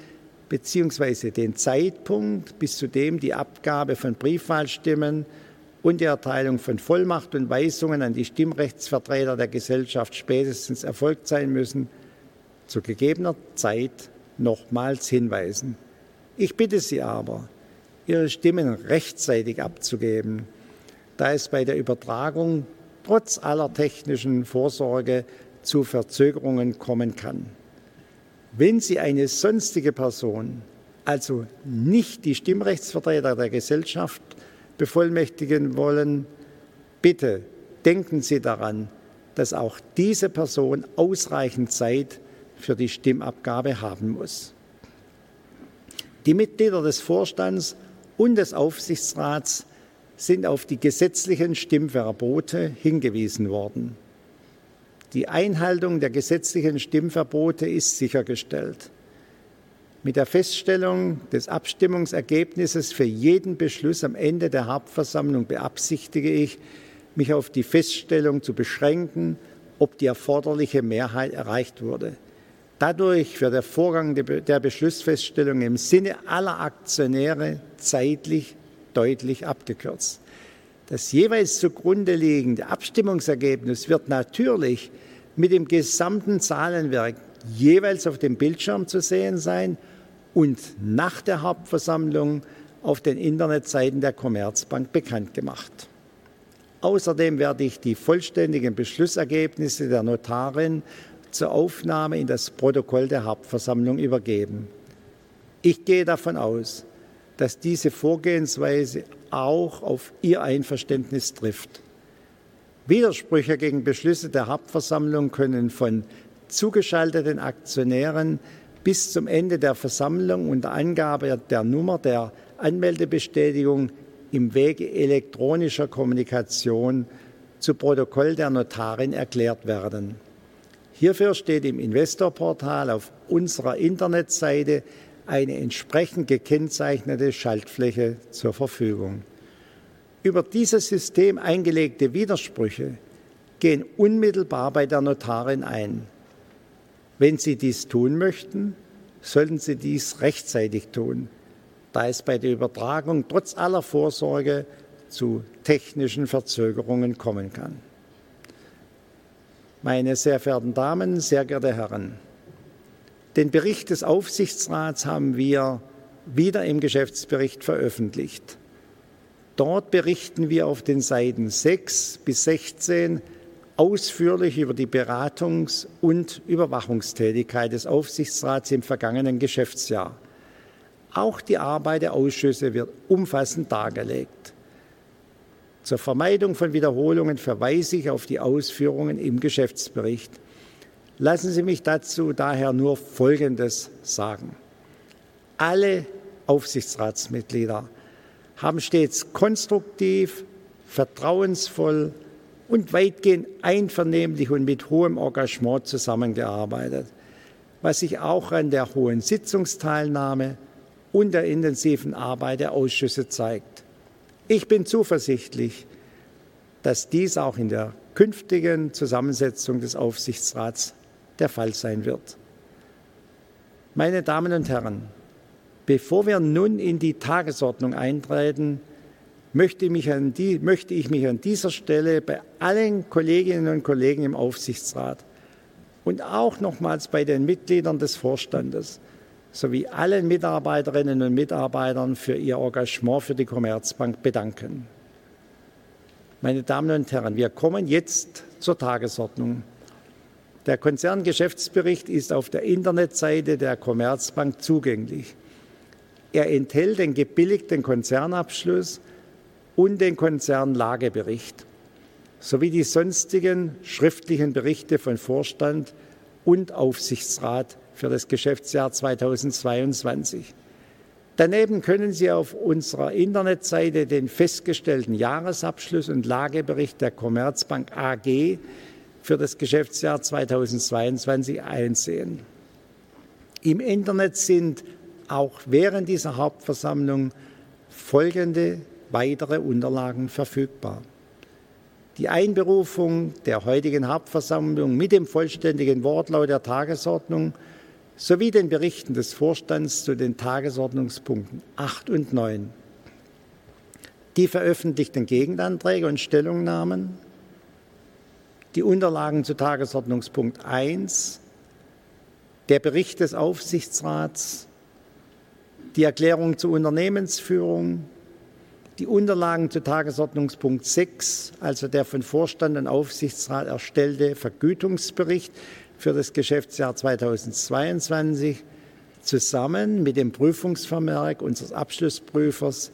beziehungsweise den Zeitpunkt, bis zu dem die Abgabe von Briefwahlstimmen und die Erteilung von Vollmacht und Weisungen an die Stimmrechtsvertreter der Gesellschaft spätestens erfolgt sein müssen, zu gegebener Zeit nochmals hinweisen. Ich bitte Sie aber, Ihre Stimmen rechtzeitig abzugeben, da es bei der Übertragung trotz aller technischen Vorsorge zu Verzögerungen kommen kann. Wenn Sie eine sonstige Person, also nicht die Stimmrechtsvertreter der Gesellschaft, bevollmächtigen wollen, bitte denken Sie daran, dass auch diese Person ausreichend Zeit für die Stimmabgabe haben muss. Die Mitglieder des Vorstands und des Aufsichtsrats sind auf die gesetzlichen Stimmverbote hingewiesen worden. Die Einhaltung der gesetzlichen Stimmverbote ist sichergestellt. Mit der Feststellung des Abstimmungsergebnisses für jeden Beschluss am Ende der Hauptversammlung beabsichtige ich, mich auf die Feststellung zu beschränken, ob die erforderliche Mehrheit erreicht wurde. Dadurch wird der Vorgang der Beschlussfeststellung im Sinne aller Aktionäre zeitlich deutlich abgekürzt. Das jeweils zugrunde liegende Abstimmungsergebnis wird natürlich mit dem gesamten Zahlenwerk jeweils auf dem Bildschirm zu sehen sein und nach der Hauptversammlung auf den Internetseiten der Commerzbank bekannt gemacht. Außerdem werde ich die vollständigen Beschlussergebnisse der Notarin zur Aufnahme in das Protokoll der Hauptversammlung übergeben. Ich gehe davon aus, dass diese Vorgehensweise auch auf Ihr Einverständnis trifft. Widersprüche gegen Beschlüsse der Hauptversammlung können von zugeschalteten Aktionären bis zum Ende der Versammlung unter Angabe der Nummer der Anmeldebestätigung im Wege elektronischer Kommunikation zu Protokoll der Notarin erklärt werden. Hierfür steht im Investorportal auf unserer Internetseite eine entsprechend gekennzeichnete Schaltfläche zur Verfügung. Über dieses System eingelegte Widersprüche gehen unmittelbar bei der Notarin ein. Wenn Sie dies tun möchten, sollten Sie dies rechtzeitig tun, da es bei der Übertragung trotz aller Vorsorge zu technischen Verzögerungen kommen kann. Meine sehr verehrten Damen, sehr geehrte Herren, den Bericht des Aufsichtsrats haben wir wieder im Geschäftsbericht veröffentlicht. Dort berichten wir auf den Seiten 6 bis 16 ausführlich über die Beratungs- und Überwachungstätigkeit des Aufsichtsrats im vergangenen Geschäftsjahr. Auch die Arbeit der Ausschüsse wird umfassend dargelegt. Zur Vermeidung von Wiederholungen verweise ich auf die Ausführungen im Geschäftsbericht. Lassen Sie mich dazu daher nur Folgendes sagen: Alle Aufsichtsratsmitglieder haben stets konstruktiv, vertrauensvoll und weitgehend einvernehmlich und mit hohem Engagement zusammengearbeitet, was sich auch an der hohen Sitzungsteilnahme und der intensiven Arbeit der Ausschüsse zeigt. Ich bin zuversichtlich, dass dies auch in der künftigen Zusammensetzung des Aufsichtsrats der Fall sein wird. Meine Damen und Herren, bevor wir nun in die Tagesordnung eintreten, möchte ich mich an dieser Stelle bei allen Kolleginnen und Kollegen im Aufsichtsrat und auch nochmals bei den Mitgliedern des Vorstandes sowie allen Mitarbeiterinnen und Mitarbeitern für Ihr Engagement für die Commerzbank bedanken. Meine Damen und Herren, wir kommen jetzt zur Tagesordnung. Der Konzerngeschäftsbericht ist auf der Internetseite der Commerzbank zugänglich. Er enthält den gebilligten Konzernabschluss und den Konzernlagebericht sowie die sonstigen schriftlichen Berichte von Vorstand und Aufsichtsrat für das Geschäftsjahr 2022. Daneben können Sie auf unserer Internetseite den festgestellten Jahresabschluss und Lagebericht der Commerzbank AG für das Geschäftsjahr 2022 einsehen. Im Internet sind auch während dieser Hauptversammlung folgende weitere Unterlagen verfügbar: Die Einberufung der heutigen Hauptversammlung mit dem vollständigen Wortlaut der Tagesordnung sowie den Berichten des Vorstands zu den Tagesordnungspunkten 8 und 9, die veröffentlichten Gegenanträge und Stellungnahmen, die Unterlagen zu Tagesordnungspunkt 1, der Bericht des Aufsichtsrats, die Erklärung zur Unternehmensführung, die Unterlagen zu Tagesordnungspunkt 6, also der von Vorstand und Aufsichtsrat erstellte Vergütungsbericht für das Geschäftsjahr 2022, zusammen mit dem Prüfungsvermerk unseres Abschlussprüfers,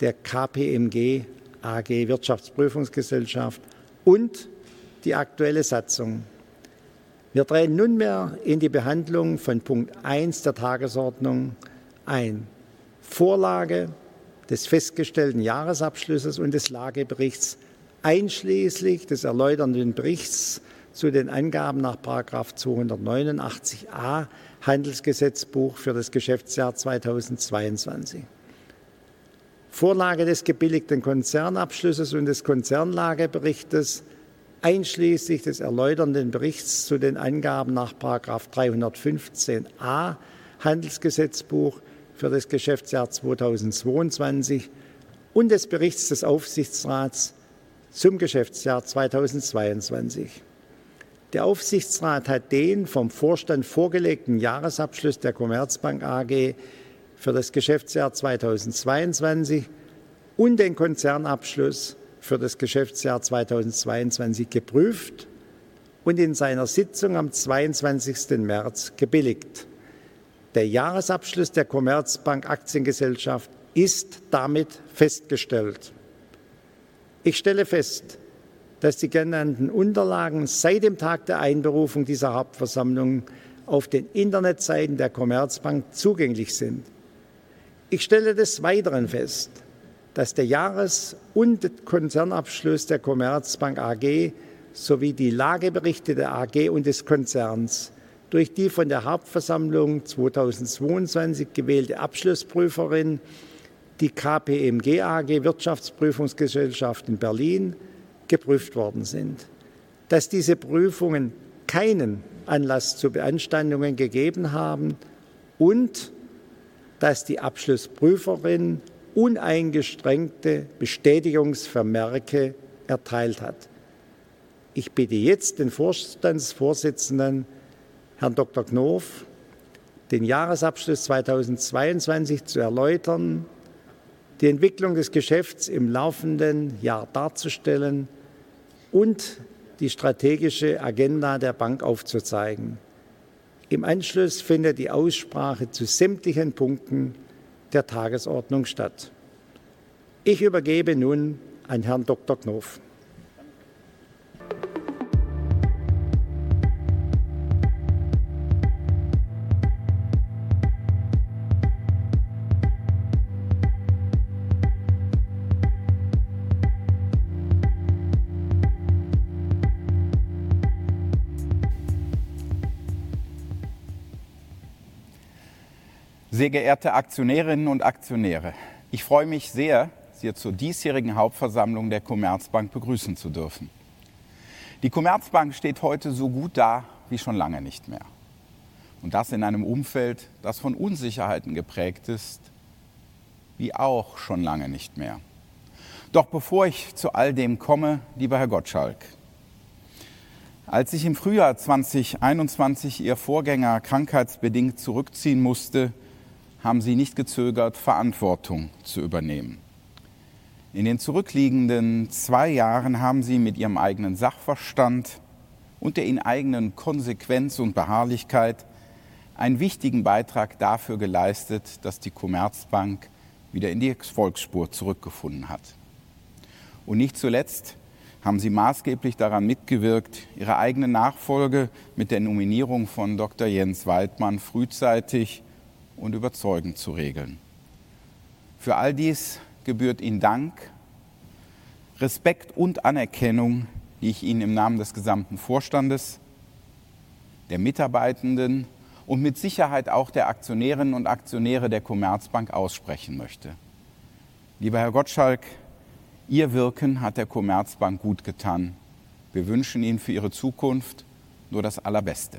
der KPMG AG Wirtschaftsprüfungsgesellschaft, und die aktuelle Satzung. Wir treten nunmehr in die Behandlung von Punkt 1 der Tagesordnung ein: Vorlage des festgestellten Jahresabschlusses und des Lageberichts, einschließlich des erläuternden Berichts zu den Angaben nach Paragraph 289a Handelsgesetzbuch für das Geschäftsjahr 2022. Vorlage des gebilligten Konzernabschlusses und des Konzernlageberichts, einschließlich des erläuternden Berichts zu den Angaben nach Paragraph 315a Handelsgesetzbuch für das Geschäftsjahr 2022 und des Berichts des Aufsichtsrats zum Geschäftsjahr 2022. Der Aufsichtsrat hat den vom Vorstand vorgelegten Jahresabschluss der Commerzbank AG für das Geschäftsjahr 2022 und den Konzernabschluss für das Geschäftsjahr 2022 geprüft und in seiner Sitzung am 22. März gebilligt. Der Jahresabschluss der Commerzbank Aktiengesellschaft ist damit festgestellt. Ich stelle fest, dass die genannten Unterlagen seit dem Tag der Einberufung dieser Hauptversammlung auf den Internetseiten der Commerzbank zugänglich sind. Ich stelle des Weiteren fest, dass der Jahres- und Konzernabschluss der Commerzbank AG sowie die Lageberichte der AG und des Konzerns durch die von der Hauptversammlung 2022 gewählte Abschlussprüferin, die KPMG AG Wirtschaftsprüfungsgesellschaft in Berlin, geprüft worden sind, dass diese Prüfungen keinen Anlass zu Beanstandungen gegeben haben und dass die Abschlussprüferin uneingeschränkte Bestätigungsvermerke erteilt hat. Ich bitte jetzt den Vorstandsvorsitzenden, Herrn Dr. Knof, den Jahresabschluss 2022 zu erläutern, die Entwicklung des Geschäfts im laufenden Jahr darzustellen und die strategische Agenda der Bank aufzuzeigen. Im Anschluss findet die Aussprache zu sämtlichen Punkten der Tagesordnung statt. Ich übergebe nun an Herrn Dr. Knof. Sehr geehrte Aktionärinnen und Aktionäre, ich freue mich sehr, Sie zur diesjährigen Hauptversammlung der Commerzbank begrüßen zu dürfen. Die Commerzbank steht heute so gut da wie schon lange nicht mehr. Das in einem Umfeld, das von Unsicherheiten geprägt ist, wie auch schon lange nicht mehr. Bevor ich zu all dem komme, lieber Herr Gottschalk, als sich im Frühjahr 2021 Ihr Vorgänger krankheitsbedingt zurückziehen musste, haben Sie nicht gezögert, Verantwortung zu übernehmen. In den zurückliegenden zwei Jahren haben Sie mit Ihrem eigenen Sachverstand und der Ihnen eigenen Konsequenz und Beharrlichkeit einen wichtigen Beitrag dafür geleistet, dass die Commerzbank wieder in die Erfolgsspur zurückgefunden hat. Nicht zuletzt haben Sie maßgeblich daran mitgewirkt, Ihre eigene Nachfolge mit der Nominierung von Dr. Jens Weidmann frühzeitig und überzeugend zu regeln. Für all dies gebührt Ihnen Dank, Respekt und Anerkennung, die ich Ihnen im Namen des gesamten Vorstandes, der Mitarbeitenden und mit Sicherheit auch der Aktionärinnen und Aktionäre der Commerzbank aussprechen möchte. Lieber Herr Gottschalk, Ihr Wirken hat der Commerzbank gutgetan. Wir wünschen Ihnen für Ihre Zukunft nur das Allerbeste.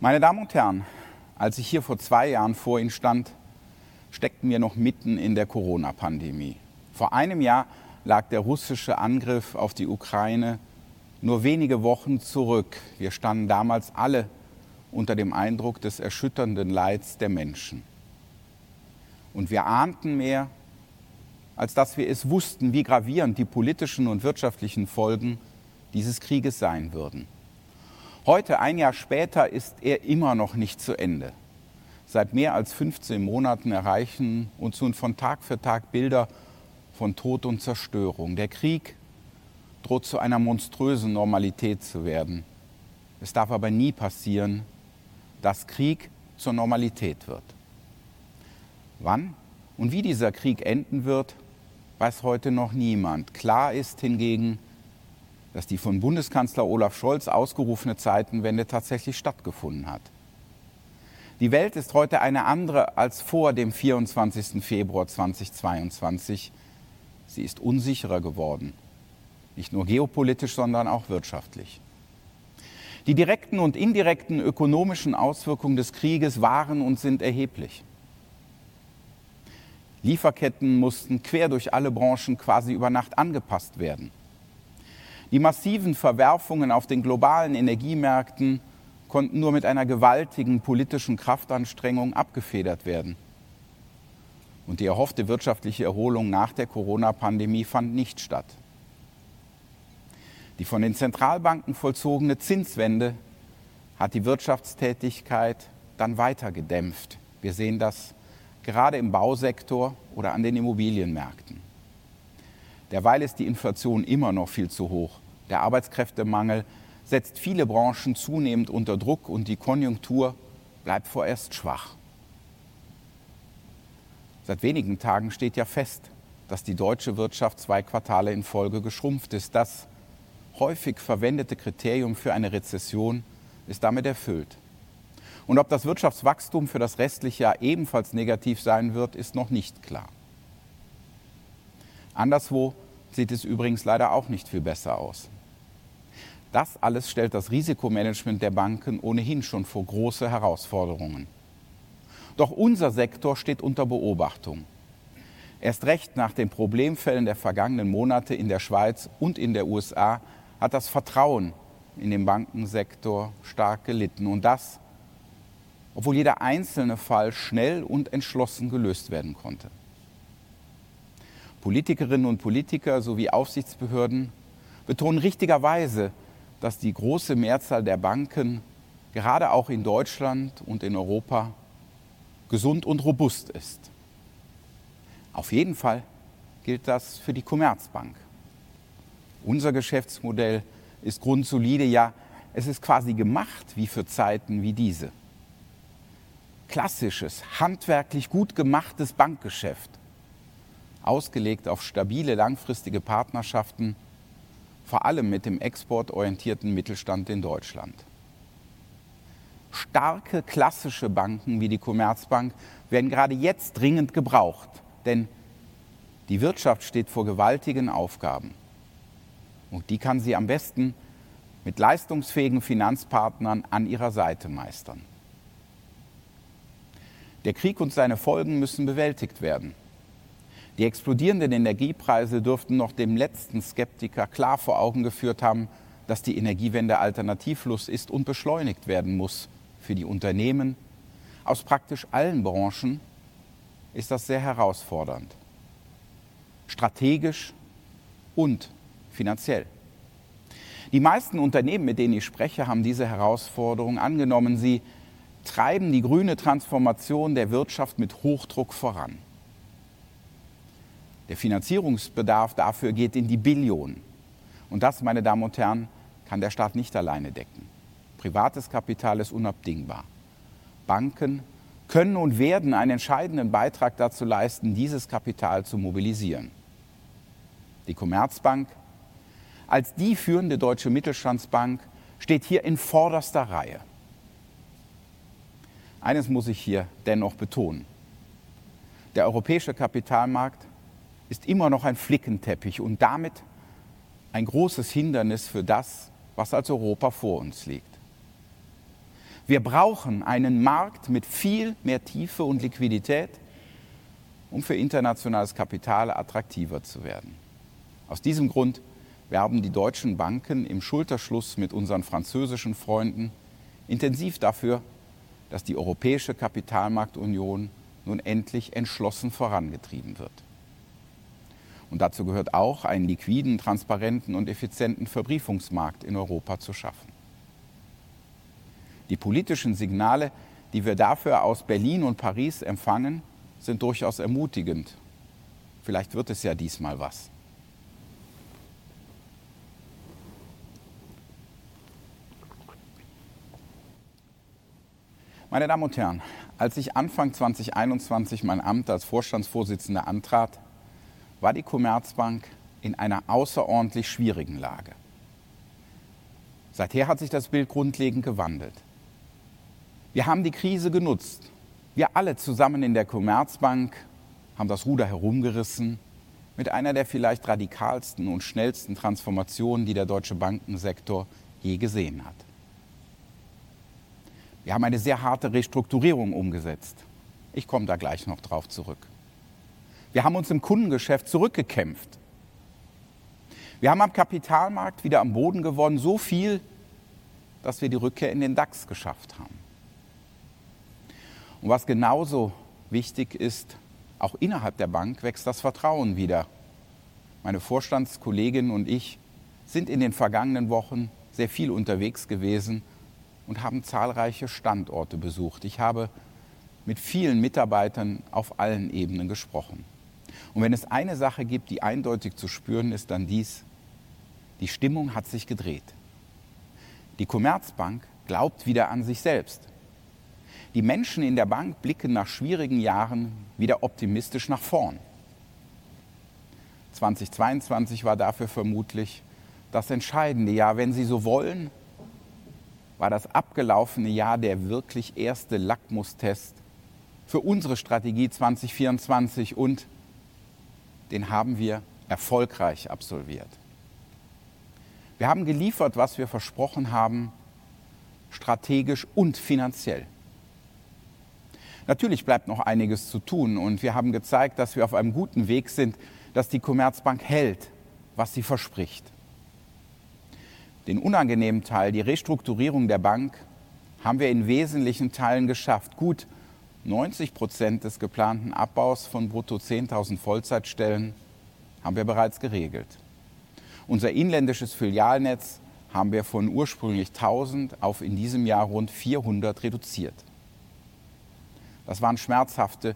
Meine Damen und Herren, als ich hier vor zwei Jahren vor Ihnen stand, steckten wir noch mitten in der Corona-Pandemie. Vor ein Jahr lag der russische Angriff auf die Ukraine nur wenige Wochen zurück. Wir standen damals alle unter dem Eindruck des erschütternden Leids der Menschen. Wir ahnten mehr, als dass wir es wussten, wie gravierend die politischen und wirtschaftlichen Folgen dieses Krieges sein würden. Heute, ein Jahr später, ist er immer noch nicht zu Ende. Seit mehr als 15 Monaten erreichen uns nun von Tag für Tag Bilder von Tod und Zerstörung. Der Krieg droht, zu einer monströsen Normalität zu werden. Es darf aber nie passieren, dass Krieg zur Normalität wird. Wann und wie dieser Krieg enden wird, weiß heute noch niemand. Klar ist hingegen, dass die von Bundeskanzler Olaf Scholz ausgerufene Zeitenwende tatsächlich stattgefunden hat. Die Welt ist heute eine andere als vor dem 24. Februar 2022. Sie ist unsicherer geworden, nicht nur geopolitisch, sondern auch wirtschaftlich. Die direkten und indirekten ökonomischen Auswirkungen des Krieges waren und sind erheblich. Lieferketten mussten quer durch alle Branchen quasi über Nacht angepasst werden. Die massiven Verwerfungen auf den globalen Energiemärkten konnten nur mit einer gewaltigen politischen Kraftanstrengung abgefedert werden. Die erhoffte wirtschaftliche Erholung nach der Corona-Pandemie fand nicht statt. Die von den Zentralbanken vollzogene Zinswende hat die Wirtschaftstätigkeit dann weiter gedämpft. Wir sehen das gerade im Bausektor oder an den Immobilienmärkten. Derweil ist die Inflation immer noch viel zu hoch. Der Arbeitskräftemangel setzt viele Branchen zunehmend unter Druck und die Konjunktur bleibt vorerst schwach. Seit wenigen Tagen steht ja fest, dass die deutsche Wirtschaft 2 Quartale in Folge geschrumpft ist. Das häufig verwendete Kriterium für eine Rezession ist damit erfüllt. Ob das Wirtschaftswachstum für das restliche Jahr ebenfalls negativ sein wird, ist noch nicht klar. Anderswo sieht es übrigens leider auch nicht viel besser aus. Das alles stellt das Risikomanagement der Banken ohnehin schon vor große Herausforderungen. Unser Sektor steht unter Beobachtung. Erst recht nach den Problemfällen der vergangenen Monate in der Schweiz und in der USA hat das Vertrauen in den Bankensektor stark gelitten. Das, obwohl jeder einzelne Fall schnell und entschlossen gelöst werden konnte. Politikerinnen und Politiker sowie Aufsichtsbehörden betonen richtigerweise, dass die große Mehrzahl der Banken, gerade auch in Deutschland und in Europa, gesund und robust ist. Auf jeden Fall gilt das für die Commerzbank. Unser Geschäftsmodell ist grundsolide, ja, es ist quasi gemacht wie für Zeiten wie diese. Klassisches, handwerklich gut gemachtes Bankgeschäft, ausgelegt auf stabile, langfristige Partnerschaften, vor allem mit dem exportorientierten Mittelstand in Deutschland. Starke, klassische Banken wie die Commerzbank werden gerade jetzt dringend gebraucht, denn die Wirtschaft steht vor gewaltigen Aufgaben und die kann sie am besten mit leistungsfähigen Finanzpartnern an ihrer Seite meistern. Der Krieg und seine Folgen müssen bewältigt werden. Die explodierenden Energiepreise dürften noch dem letzten Skeptiker klar vor Augen geführt haben, dass die Energiewende alternativlos ist und beschleunigt werden muss. Für die Unternehmen aus praktisch allen Branchen ist das sehr herausfordernd, strategisch und finanziell. Die meisten Unternehmen, mit denen ich spreche, haben diese Herausforderung angenommen. Sie treiben die grüne Transformation der Wirtschaft mit Hochdruck voran. Der Finanzierungsbedarf dafür geht in die Billionen. Das, meine Damen und Herren, kann der Staat nicht alleine decken. Privates Kapital ist unabdingbar. Banken können und werden einen entscheidenden Beitrag dazu leisten, dieses Kapital zu mobilisieren. Die Commerzbank, als die führende deutsche Mittelstandsbank, steht hier in vorderster Reihe. Eines muss ich hier dennoch betonen: Der europäische Kapitalmarkt ist immer noch ein Flickenteppich und damit ein großes Hindernis für das, was als Europa vor uns liegt. Wir brauchen einen Markt mit viel mehr Tiefe und Liquidität, um für internationales Kapital attraktiver zu werden. Aus diesem Grund werben die deutschen Banken im Schulterschluss mit unseren französischen Freunden intensiv dafür, dass die europäische Kapitalmarktunion nun endlich entschlossen vorangetrieben wird. Dazu gehört auch, einen liquiden, transparenten und effizienten Verbriefungsmarkt in Europa zu schaffen. Die politischen Signale, die wir dafür aus Berlin und Paris empfangen, sind durchaus ermutigend. Vielleicht wird es ja diesmal was. Meine Damen und Herren, als ich Anfang 2021 mein Amt als Vorstandsvorsitzender antrat, war die Commerzbank in einer außerordentlich schwierigen Lage. Seither hat sich das Bild grundlegend gewandelt. Wir haben die Krise genutzt. Wir alle zusammen in der Commerzbank haben das Ruder herumgerissen, mit einer der vielleicht radikalsten und schnellsten Transformationen, die der deutsche Bankensektor je gesehen hat. Wir haben eine sehr harte Restrukturierung umgesetzt. Ich komme da gleich noch drauf zurück. Wir haben uns im Kundengeschäft zurückgekämpft. Wir haben am Kapitalmarkt wieder an Boden gewonnen, so viel, dass wir die Rückkehr in den DAX geschafft haben. Was genauso wichtig ist: Auch innerhalb der Bank wächst das Vertrauen wieder. Meine Vorstandskolleginnen und ich sind in den vergangenen Wochen sehr viel unterwegs gewesen und haben zahlreiche Standorte besucht. Ich habe mit vielen Mitarbeitern auf allen Ebenen gesprochen. Wenn es eine Sache gibt, die eindeutig zu spüren ist, dann dies: Die Stimmung hat sich gedreht. Die Commerzbank glaubt wieder an sich selbst. Die Menschen in der Bank blicken nach schwierigen Jahren wieder optimistisch nach vorn. 2022 war dafür vermutlich das entscheidende Jahr. Wenn Sie so wollen, war das abgelaufene Jahr der wirklich erste Lackmustest für unsere Strategie 2024 und den haben wir erfolgreich absolviert. Wir haben geliefert, was wir versprochen haben, strategisch und finanziell. Natürlich bleibt noch einiges zu tun und wir haben gezeigt, dass wir auf einem guten Weg sind, dass die Commerzbank hält, was sie verspricht. Den unangenehmen Teil, die Restrukturierung der Bank, haben wir in wesentlichen Teilen geschafft. Gut 90% des geplanten Abbaus von brutto 10,000 Vollzeitstellen haben wir bereits geregelt. Unser inländisches Filialnetz haben wir von ursprünglich 1,000 auf in diesem Jahr rund 400 reduziert. Das waren schmerzhafte,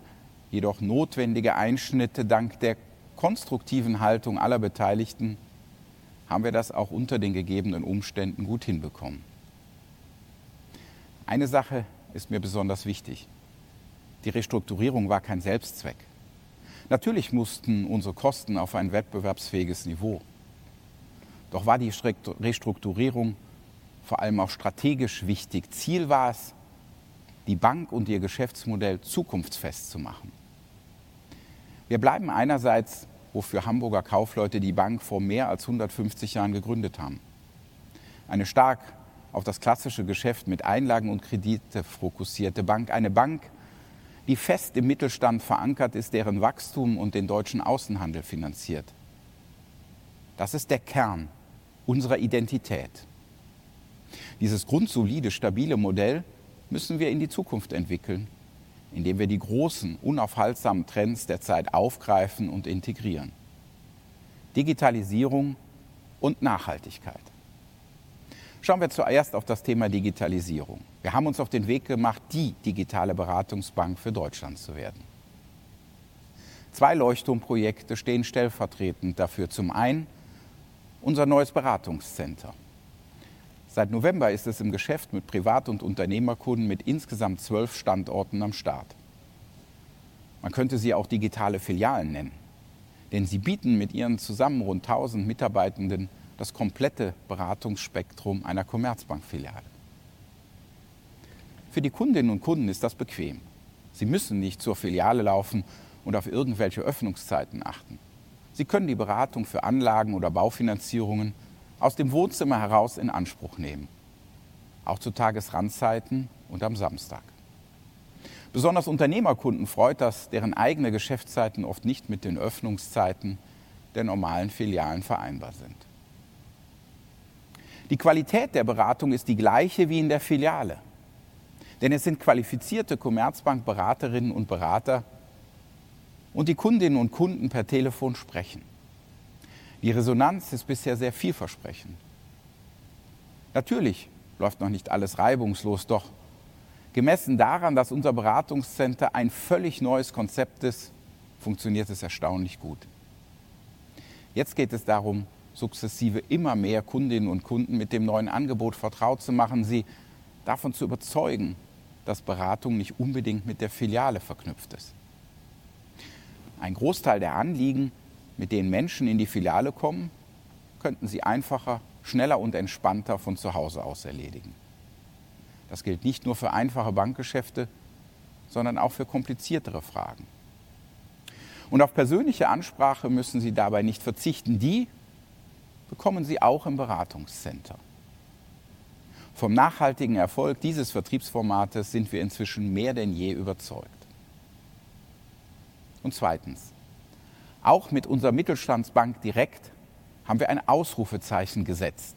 jedoch notwendige Einschnitte. Dank der konstruktiven Haltung aller Beteiligten haben wir das auch unter den gegebenen Umständen gut hinbekommen. Eine Sache ist mir besonders wichtig: Die Restrukturierung war kein Selbstzweck. Natürlich mussten unsere Kosten auf ein wettbewerbsfähiges Niveau. Die Restrukturierung war vor allem auch strategisch wichtig. Ziel war es, die Bank und ihr Geschäftsmodell zukunftsfest zu machen. Wir bleiben einerseits, wofür Hamburger Kaufleute die Bank vor mehr als 150 Jahren gegründet haben. Eine stark auf das klassische Geschäft mit Einlagen und Kredite fokussierte Bank, eine Bank, die fest im Mittelstand verankert ist, deren Wachstum und den deutschen Außenhandel finanziert. Das ist der Kern unserer Identität. Dieses grundsolide, stabile Modell müssen wir in die Zukunft entwickeln, indem wir die großen, unaufhaltsamen Trends der Zeit aufgreifen und integrieren. Digitalisierung und Nachhaltigkeit. Schauen wir zuerst auf das Thema Digitalisierung. Wir haben uns auf den Weg gemacht, die digitale Beratungsbank für Deutschland zu werden. Zwei Leuchtturmprojekte stehen stellvertretend dafür. Zum einen unser neues Beratungscenter. Seit November ist es im Geschäft mit Privat- und Unternehmenskunden mit insgesamt 12 Standorten am Start. Man könnte sie auch digitale Filialen nennen, denn sie bieten mit ihren zusammen rund 1,000 Mitarbeitenden das komplette Beratungsspektrum einer Commerzbank-Filiale. Für die Kundinnen und Kunden ist das bequem. Sie müssen nicht zur Filiale laufen und auf irgendwelche Öffnungszeiten achten. Sie können die Beratung für Anlagen oder Baufinanzierungen aus dem Wohnzimmer heraus in Anspruch nehmen, auch zu Tagesrandzeiten und am Samstag. Besonders Unternehmenskunden freut das, deren eigene Geschäftszeiten oft nicht mit den Öffnungszeiten der normalen Filialen vereinbar sind. Die Qualität der Beratung ist die gleiche wie in der Filiale, denn es sind qualifizierte Commerzbank-Beraterinnen und Berater und die Kundinnen und Kunden per Telefon sprechen. Die Resonanz ist bisher sehr vielversprechend. Natürlich läuft noch nicht alles reibungslos, doch gemessen daran, dass unser Beratungscenter ein völlig neues Konzept ist, funktioniert es erstaunlich gut. Jetzt geht es darum, sukzessive immer mehr Kundinnen und Kunden mit dem neuen Angebot vertraut zu machen, sie davon zu überzeugen, dass Beratung nicht unbedingt mit der Filiale verknüpft ist. Ein Großteil der Anliegen, mit denen Menschen in die Filiale kommen, könnten sie einfacher, schneller und entspannter von zu Hause aus erledigen. Das gilt nicht nur für einfache Bankgeschäfte, sondern auch für kompliziertere Fragen. Auf persönliche Ansprache müssen sie dabei nicht verzichten. Die bekommen sie auch im Beratungscenter. Vom nachhaltigen Erfolg dieses Vertriebsformates sind wir inzwischen mehr denn je überzeugt. Zweitens: Auch mit unserer Mittelstandsbank Direkt haben wir ein Ausrufezeichen gesetzt.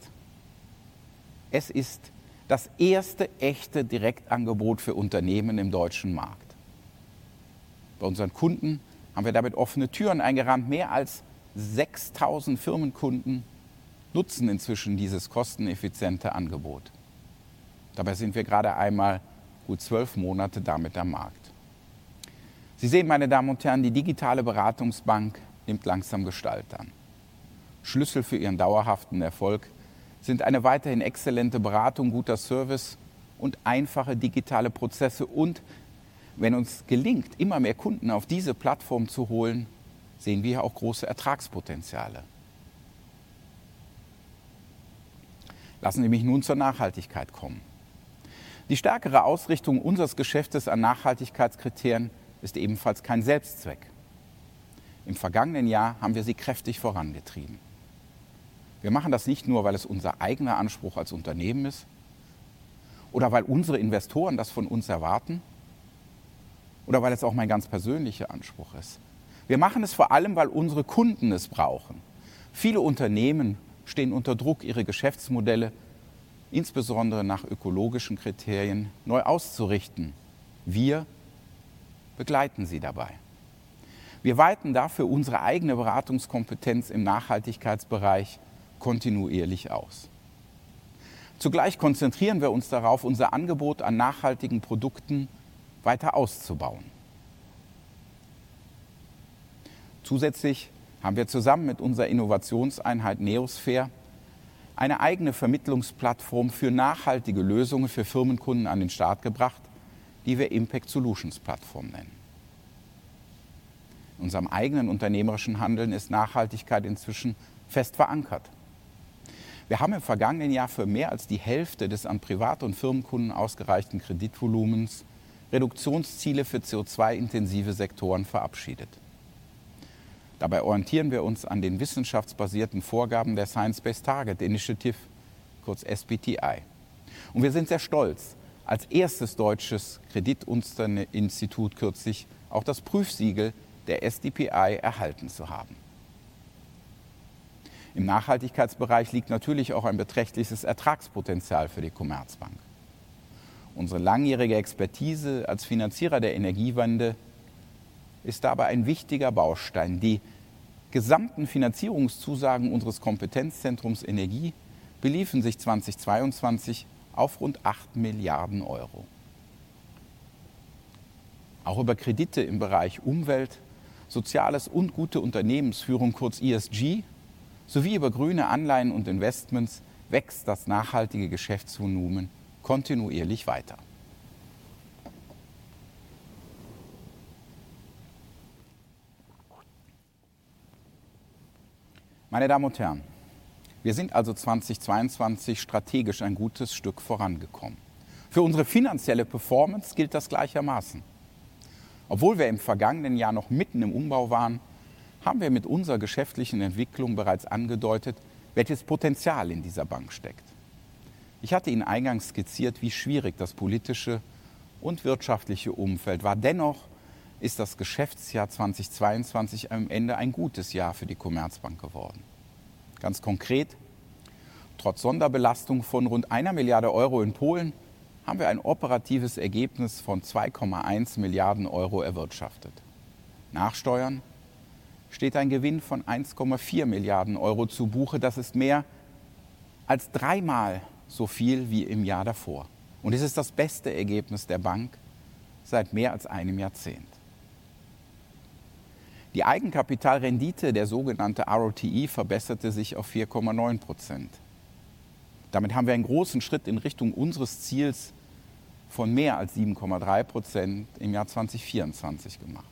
Es ist das erste echte Direktangebot für Unternehmen im deutschen Markt. Bei unseren Kunden haben wir damit offene Türen eingerannt. Mehr als 6,000 Firmenkunden nutzen inzwischen dieses kosteneffiziente Angebot. Dabei sind wir gerade einmal gut 12 Monate damit am Markt. Sie sehen, meine Damen und Herren, die digitale Beratungsbank nimmt langsam Gestalt an. Schlüssel für ihren dauerhaften Erfolg sind eine weiterhin exzellente Beratung, guter Service und einfache digitale Prozesse. Wenn uns gelingt, immer mehr Kunden auf diese Plattform zu holen, sehen wir hier auch große Ertragspotenziale. Lassen Sie mich nun zur Nachhaltigkeit kommen. Die stärkere Ausrichtung unseres Geschäfts an Nachhaltigkeitskriterien ist ebenfalls kein Selbstzweck. Im vergangenen Jahr haben wir sie kräftig vorangetrieben. Wir machen das nicht nur, weil es unser eigener Anspruch als Unternehmen ist oder weil unsere Investoren das von uns erwarten oder weil es auch mein ganz persönlicher Anspruch ist. Wir machen es vor allem, weil unsere Kunden es brauchen. Viele Unternehmen stehen unter Druck, ihre Geschäftsmodelle, insbesondere nach ökologischen Kriterien, neu auszurichten. Wir begleiten sie dabei. Wir weiten dafür unsere eigene Beratungskompetenz im Nachhaltigkeitsbereich kontinuierlich aus. Zugleich konzentrieren wir uns darauf, unser Angebot an nachhaltigen Produkten weiter auszubauen. Zusätzlich haben wir zusammen mit unserer Innovationseinheit neosfer eine eigene Vermittlungsplattform für nachhaltige Lösungen für Firmenkunden an den Start gebracht, die wir Impact Solutions Plattform nennen. In unserem eigenen unternehmerischen Handeln ist Nachhaltigkeit inzwischen fest verankert. Wir haben im vergangenen Jahr für mehr als die Hälfte des an Privat- und Firmenkunden ausgereichten Kreditvolumens Reduktionsziele für CO2-intensive Sektoren verabschiedet. Dabei orientieren wir uns an den wissenschaftsbasierten Vorgaben der Science Based Targets initiative, kurz SBTI. Wir sind sehr stolz, als erstes deutsches Kreditinstitut kürzlich auch das Prüfsiegel der SBTI erhalten zu haben. Im Nachhaltigkeitsbereich liegt natürlich auch ein beträchtliches Ertragspotenzial für die Commerzbank. Unsere langjährige Expertise als Finanzierer der Energiewende ist dabei ein wichtiger Baustein. Die gesamten Finanzierungszusagen unseres Kompetenzzentrums Energie beliefen sich 2022 auf rund 8 Milliarden euro. Auch über Kredite im Bereich Umwelt, Soziales und gute Unternehmensführung, kurz ESG, sowie über grüne Anleihen und Investments wächst das nachhaltige Geschäftsvolumen kontinuierlich weiter. Meine Damen und Herren, wir sind also 2022 strategisch ein gutes Stück vorangekommen. Für unsere finanzielle Performance gilt das gleichermaßen. Obwohl wir im vergangenen Jahr noch mitten im Umbau waren, haben wir mit unserer geschäftlichen Entwicklung bereits angedeutet, welches Potenzial in dieser Bank steckt. Ich hatte Ihnen eingangs skizziert, wie schwierig das politische und wirtschaftliche Umfeld war. Dennoch ist das Geschäftsjahr 2022 am Ende ein gutes Jahr für die Commerzbank geworden. Ganz konkret: Trotz Sonderbelastung von rund 1 billion euro in Polen haben wir ein operatives Ergebnis von 2.1 billion euro erwirtschaftet. Nach Steuern steht ein Gewinn von 1.4 billion euro zu Buche. Das ist mehr als three times so viel wie im Jahr davor und es ist das beste Ergebnis der Bank seit mehr als einem Jahrzehnt. Die Eigenkapitalrendite, der sogenannte ROTE, verbesserte sich auf 4.9%. Damit haben wir einen großen Schritt in Richtung unseres Ziels von mehr als 7.3% im Jahr 2024 gemacht.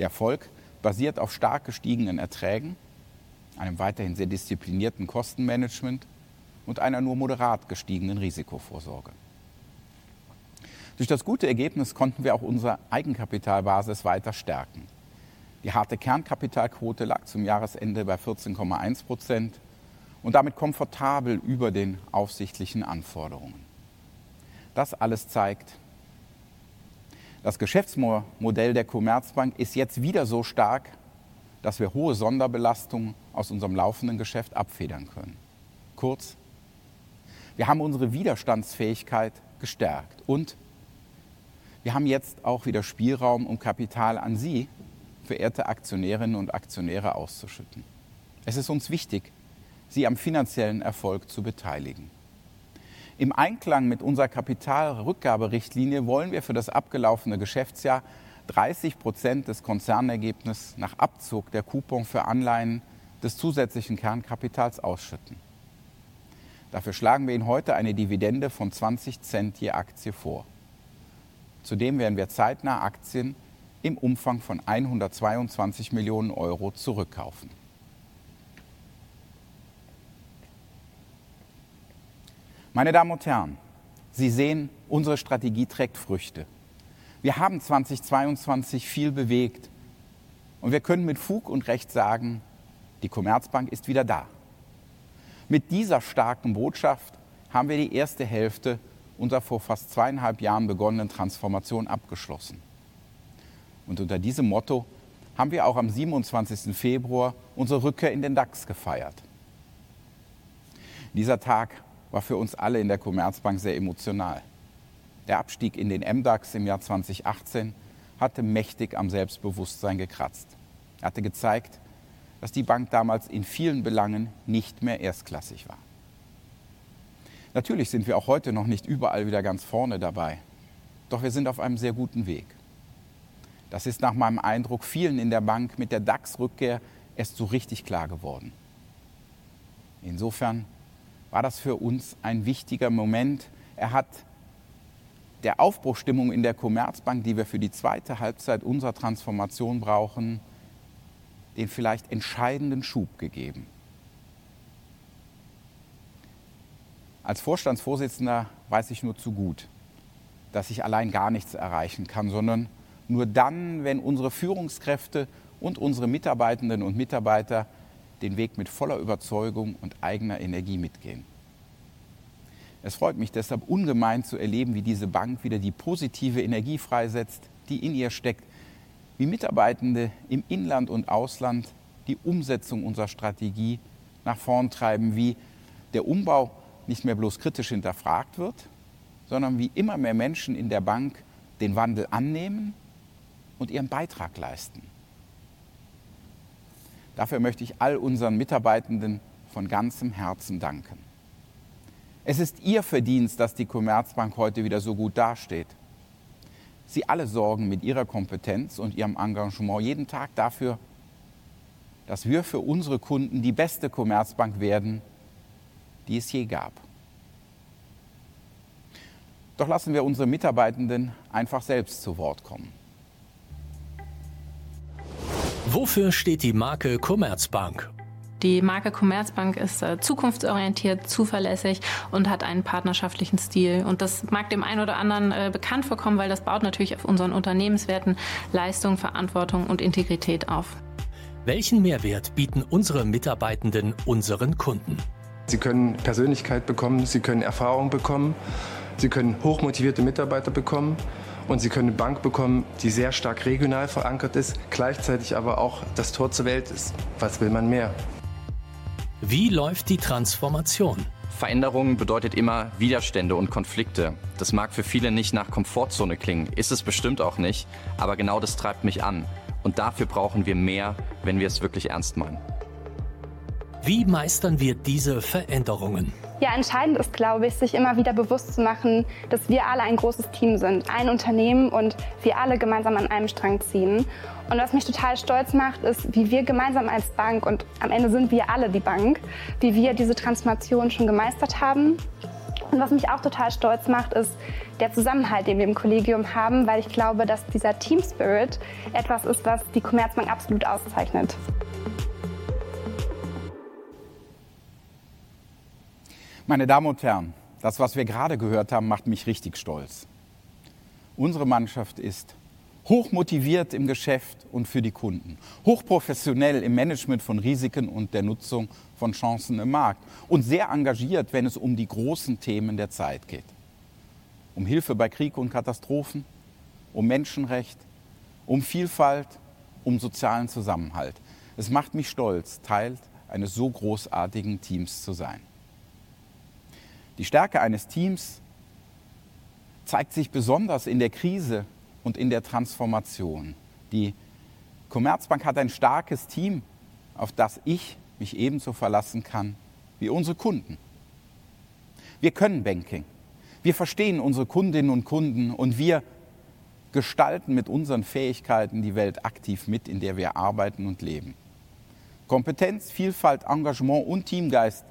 Der Erfolg basiert auf stark gestiegenen Erträgen, einem weiterhin sehr disziplinierten Kostenmanagement und einer nur moderat gestiegenen Risikovorsorge. Durch das gute Ergebnis konnten wir auch unsere Eigenkapitalbasis weiter stärken. Die harte Kernkapitalquote lag zum Jahresende bei 14.1% und damit komfortabel über den aufsichtlichen Anforderungen. Das alles zeigt, das Geschäftsmodell der Commerzbank ist jetzt wieder so stark, dass wir hohe Sonderbelastungen aus unserem laufenden Geschäft abfedern können. Kurz: Wir haben unsere Widerstandsfähigkeit gestärkt und wir haben jetzt auch wieder Spielraum, um Kapital an Sie, verehrte Aktionärinnen und Aktionäre, auszuschütten. Es ist uns wichtig, Sie am finanziellen Erfolg zu beteiligen. Im Einklang mit unserer Kapitalrückgaberichtlinie wollen wir für das abgelaufene Geschäftsjahr 30% des Konzernergebnisses nach Abzug der Coupon für Anleihen des zusätzlichen Kernkapitals ausschütten. Dafür schlagen wir Ihnen heute eine Dividende von 0.20 je Aktie vor. Zudem werden wir zeitnah Aktien im Umfang von 122 million euro zurückkaufen. Meine Damen und Herren, Sie sehen, unsere Strategie trägt Früchte. Wir haben 2022 viel bewegt und wir können mit Fug und Recht sagen: Die Commerzbank ist wieder da. Mit dieser starken Botschaft haben wir die erste Hälfte unserer vor fast 2.5 Jahren begonnenen Transformation abgeschlossen. Unter diesem Motto haben wir auch am 27. Februar unsere Rückkehr in den DAX gefeiert. Dieser Tag war für uns alle in der Commerzbank sehr emotional. Der Abstieg in den MDAX im Jahr 2018 hatte mächtig am Selbstbewusstsein gekratzt. Er hatte gezeigt, dass die Bank damals in vielen Belangen nicht mehr erstklassig war. Natürlich sind wir auch heute noch nicht überall wieder ganz vorne dabei, doch wir sind auf einem sehr guten Weg. Das ist nach meinem Eindruck vielen in der Bank mit der DAX-Rückkehr erst so richtig klar geworden. Das war für uns ein wichtiger Moment. Er hat der Aufbruchsstimmung in der Commerzbank, die wir für die zweite Halbzeit unserer Transformation brauchen, den vielleicht entscheidenden Schub gegeben. Als Vorstandsvorsitzender weiß ich nur zu gut, dass ich allein gar nichts erreichen kann, sondern nur dann, wenn unsere Führungskräfte und unsere Mitarbeitenden und Mitarbeiter den Weg mit voller Überzeugung und eigener Energie mitgehen. Es freut mich deshalb ungemein, zu erleben, wie diese Bank wieder die positive Energie freisetzt, die in ihr steckt, wie Mitarbeitende im Inland und Ausland die Umsetzung unserer Strategie nach vorn treiben, wie der Umbau nicht mehr bloß kritisch hinterfragt wird, sondern wie immer mehr Menschen in der Bank den Wandel annehmen und ihren Beitrag leisten. Dafür möchte ich all unseren Mitarbeitenden von ganzem Herzen danken. Es ist ihr Verdienst, dass die Commerzbank heute wieder so gut dasteht. Sie alle sorgen mit ihrer Kompetenz und ihrem Engagement jeden Tag dafür, dass wir für unsere Kunden die beste Commerzbank werden, die es je gab. Lassen wir unsere Mitarbeitenden einfach selbst zu Wort kommen. Wofür steht die Marke Commerzbank? Die Marke Commerzbank ist zukunftsorientiert, zuverlässig und hat einen partnerschaftlichen Stil. Das mag dem einen oder anderen bekannt vorkommen, weil das baut natürlich auf unseren Unternehmenswerten Leistung, Verantwortung und Integrität auf. Welchen Mehrwert bieten unsere Mitarbeitenden unseren Kunden? Sie können Persönlichkeit bekommen, sie können Erfahrung bekommen, sie können hochmotivierte Mitarbeiter bekommen und sie können eine Bank bekommen, die sehr stark regional verankert ist, gleichzeitig aber auch das Tor zur Welt ist. Was will man mehr? Wie läuft die Transformation? Veränderung bedeutet immer Widerstände und Konflikte. Das mag für viele nicht nach Komfortzone klingen. Ist es bestimmt auch nicht, aber genau das treibt mich an. Dafür brauchen wir mehr, wenn wir es wirklich ernst meinen. Wie meistern wir diese Veränderungen? Ja, entscheidend ist, glaube ich, sich immer wieder bewusst zu machen, dass wir alle ein großes Team sind, ein Unternehmen, und wir alle gemeinsam an einem Strang ziehen. Was mich total stolz macht, ist, wie wir gemeinsam als Bank, und am Ende sind wir alle die Bank, wie wir diese Transformation schon gemeistert haben. Was mich auch total stolz macht, ist der Zusammenhalt, den wir im Kollegium haben, weil ich glaube, dass dieser Teamspirit etwas ist, was die Commerzbank absolut auszeichnet. Meine Damen und Herren, das, was wir gerade gehört haben, macht mich richtig stolz. Unsere Mannschaft ist hochmotiviert im Geschäft und für die Kunden, hochprofessionell im Management von Risiken und der Nutzung von Chancen im Markt und sehr engagiert, wenn es um die großen Themen der Zeit geht. Um Hilfe bei Krieg und Katastrophen, um Menschenrecht, um Vielfalt, um sozialen Zusammenhalt. Es macht mich stolz, Teil eines so großartigen Teams zu sein. Die Stärke eines Teams zeigt sich besonders in der Krise und in der Transformation. Die Commerzbank hat ein starkes Team, auf das ich mich ebenso verlassen kann wie unsere Kunden. Wir können Banking. Wir verstehen unsere Kundinnen und Kunden und wir gestalten mit unseren Fähigkeiten die Welt aktiv mit, in der wir arbeiten und leben. Kompetenz, Vielfalt, Engagement und Teamgeist,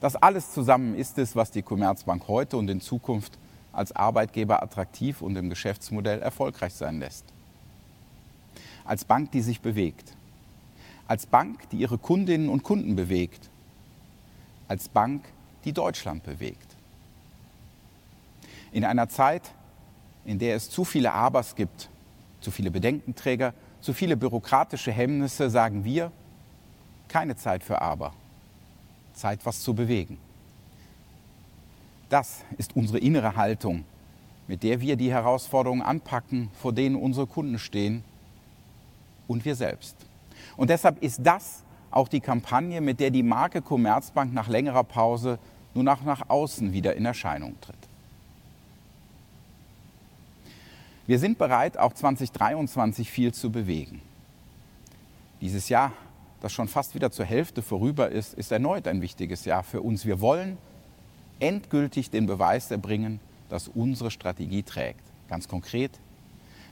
das alles zusammen ist es, was die Commerzbank heute und in Zukunft als Arbeitgeber attraktiv und im Geschäftsmodell erfolgreich sein lässt. Als Bank, die sich bewegt, als Bank, die ihre Kundinnen und Kunden bewegt, als Bank, die Deutschland bewegt. In einer Zeit, in der es zu viele Abers gibt, zu viele Bedenkenträger, zu viele bürokratische Hemmnisse, sagen wir: Keine Zeit für Aber. Zeit, was zu bewegen. Das ist unsere innere Haltung, mit der wir die Herausforderungen anpacken, vor denen unsere Kunden stehen und wir selbst. Deshalb ist das auch die Kampagne, mit der die Marke Commerzbank nach längerer Pause nun auch nach außen wieder in Erscheinung tritt. Wir sind bereit, auch 2023 viel zu bewegen. Dieses Jahr, das schon fast wieder zur Hälfte vorüber ist erneut ein wichtiges Jahr für uns. Wir wollen endgültig den Beweis erbringen, dass unsere Strategie trägt. Ganz konkret: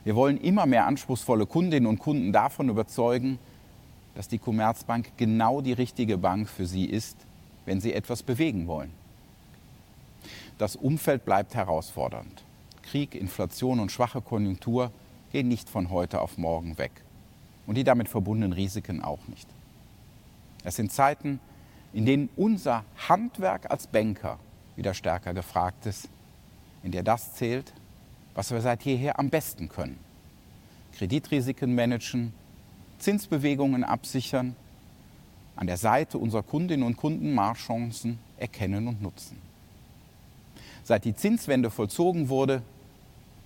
Wir wollen immer mehr anspruchsvolle Kundinnen und Kunden davon überzeugen, dass die Commerzbank genau die richtige Bank für sie ist, wenn sie etwas bewegen wollen. Das Umfeld bleibt herausfordernd. Krieg, Inflation und schwache Konjunktur gehen nicht von heute auf morgen weg und die damit verbundenen Risiken auch nicht. Es sind Zeiten, in denen unser Handwerk als Banker wieder stärker gefragt ist, in der das zählt, was wir seit jeher am besten können: Kreditrisiken managen, Zinsbewegungen absichern, an der Seite unserer Kundinnen und Kunden, Marktchancen erkennen und nutzen. Seit die Zinswende vollzogen wurde,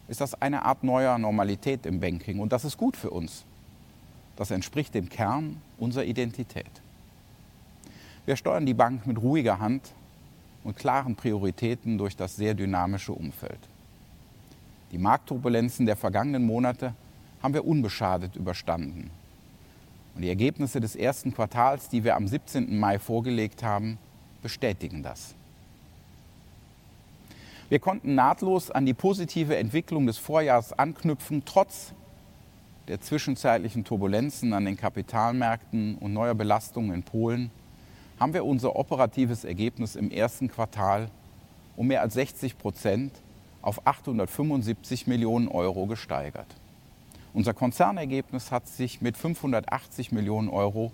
ist das eine Art neuer Normalität im Banking und das ist gut für uns. Das entspricht dem Kern unserer Identität. Wir steuern die Bank mit ruhiger Hand und klaren Prioritäten durch das sehr dynamische Umfeld. Die Marktturbulenzen der vergangenen Monate haben wir unbeschadet überstanden und die Ergebnisse des ersten Quartals, die wir am 17. Mai vorgelegt haben, bestätigen das. Wir konnten nahtlos an die positive Entwicklung des Vorjahres anknüpfen, trotz der zwischenzeitlichen Turbulenzen an den Kapitalmärkten und neuer Belastungen in Poland, haben wir unser operatives Ergebnis im first quarter um mehr als 60% auf 875 million euro gesteigert. Unser Konzernergebnis hat sich mit 580 million euro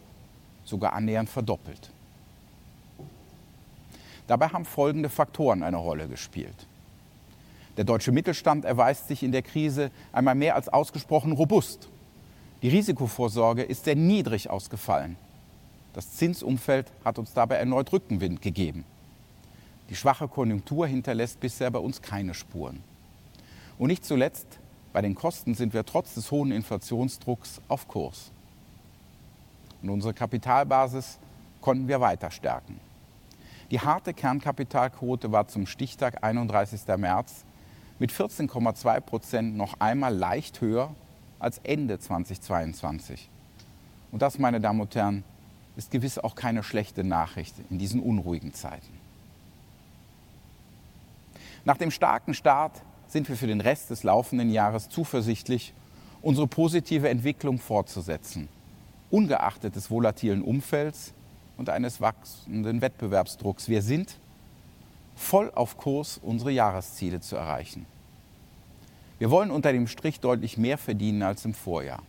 sogar annähernd verdoppelt. Dabei haben folgende Faktoren eine Rolle gespielt: Der deutsche Mittelstand erweist sich in der Krise einmal mehr als ausgesprochen robust. Die Risikovorsorge ist sehr niedrig ausgefallen. Das Zinsumfeld hat uns dabei erneut Rückenwind gegeben. Die schwache Konjunktur hinterlässt bisher bei uns keine Spuren. Nicht zuletzt, bei den Kosten sind wir trotz des hohen Inflationsdrucks auf Kurs. Unsere Kapitalbasis konnten wir weiter stärken. Die harte Kernkapitalquote war zum Stichtag March 31 mit 14.2% noch einmal leicht höher als Ende 2022. Das, meine Damen und Herren, ist gewiss auch keine schlechte Nachricht in diesen unruhigen Zeiten. Nach dem starken Start sind wir für den Rest des laufenden Jahres zuversichtlich, unsere positive Entwicklung fortzusetzen, ungeachtet des volatilen Umfelds und eines wachsenden Wettbewerbsdrucks. Wir sind voll auf Kurs, unsere Jahresziele zu erreichen. Wir wollen unter dem Strich deutlich mehr verdienen als im Vorjahr.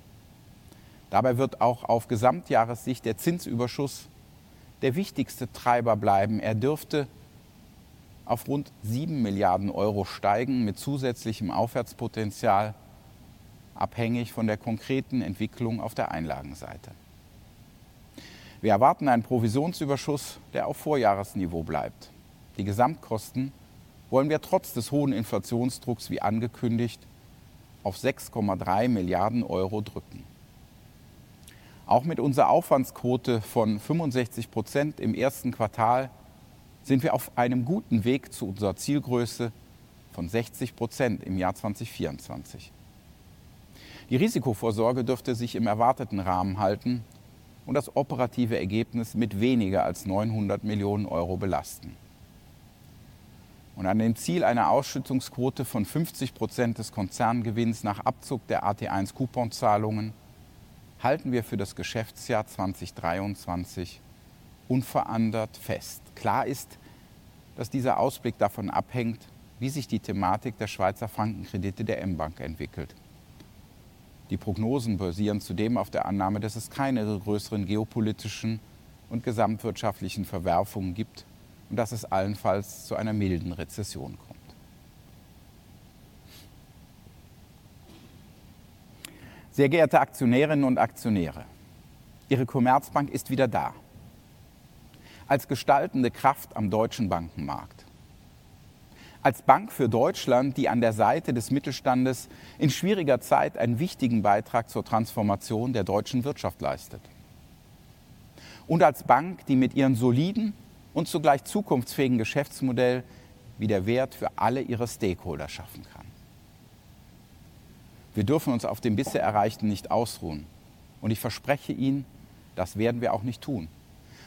Dabei wird auch auf Gesamtjahressicht der Zinsüberschuss der wichtigste Treiber bleiben. Er dürfte auf rund 7 Milliarden euro steigen, mit zusätzlichem Aufwärtspotenzial, abhängig von der konkreten Entwicklung auf der Einlagenseite. Wir erwarten einen Provisionsüberschuss, der auf Vorjahresniveau bleibt. Die Gesamtkosten wollen wir trotz des hohen Inflationsdrucks, wie angekündigt, auf 6.3 Milliarden euro drücken. Mit unserer Aufwandsquote von 65% im first quarter sind wir auf einem guten Weg zu unserer Zielgröße von 60% im Jahr 2024. Die Risikovorsorge dürfte sich im erwarteten Rahmen halten und das operative Ergebnis mit weniger als 900 million euro belasten. An dem Ziel einer Ausschüttungsquote von 50% des Konzerngewinns nach Abzug der AT1-Couponzahlungen, halten wir für das Geschäftsjahr 2023 unverändert fest. Klar ist, dass dieser Ausblick davon abhängt, wie sich die Thematik der Schweizer Franken-Kredite der mBank entwickelt. Die Prognosen basieren zudem auf der Annahme, dass es keine größeren geopolitischen und gesamtwirtschaftlichen Verwerfungen gibt und dass es allenfalls zu einer milden Rezession kommt. Sehr geehrte Aktionärinnen und Aktionäre, Ihre Commerzbank ist wieder da. Als gestaltende Kraft am deutschen Bankenmarkt, als Bank für Deutschland, die an der Seite des Mittelstandes in schwieriger Zeit einen wichtigen Beitrag zur Transformation der deutschen Wirtschaft leistet. Als Bank, die mit ihrem soliden und zugleich zukunftsfähigen Geschäftsmodell wieder Wert für alle ihre Stakeholder schaffen kann. Wir dürfen uns auf dem bisher Erreichten nicht ausruhen. Ich verspreche Ihnen, das werden wir auch nicht tun.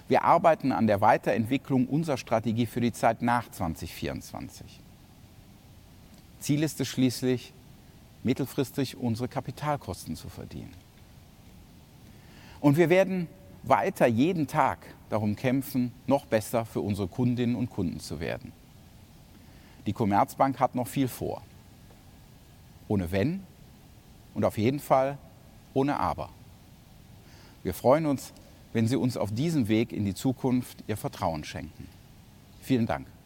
Wir arbeiten an der Weiterentwicklung unserer Strategie für die Zeit nach 2024. Ziel ist es schließlich, mittelfristig unsere Kapitalkosten zu verdienen. Wir werden weiter jeden Tag darum kämpfen, noch besser für unsere Kundinnen und Kunden zu werden. Die Commerzbank hat noch viel vor. Ohne Wenn und auf jeden Fall ohne Aber. Wir freuen uns, wenn Sie uns auf diesem Weg in die Zukunft Ihr Vertrauen schenken. Vielen Dank.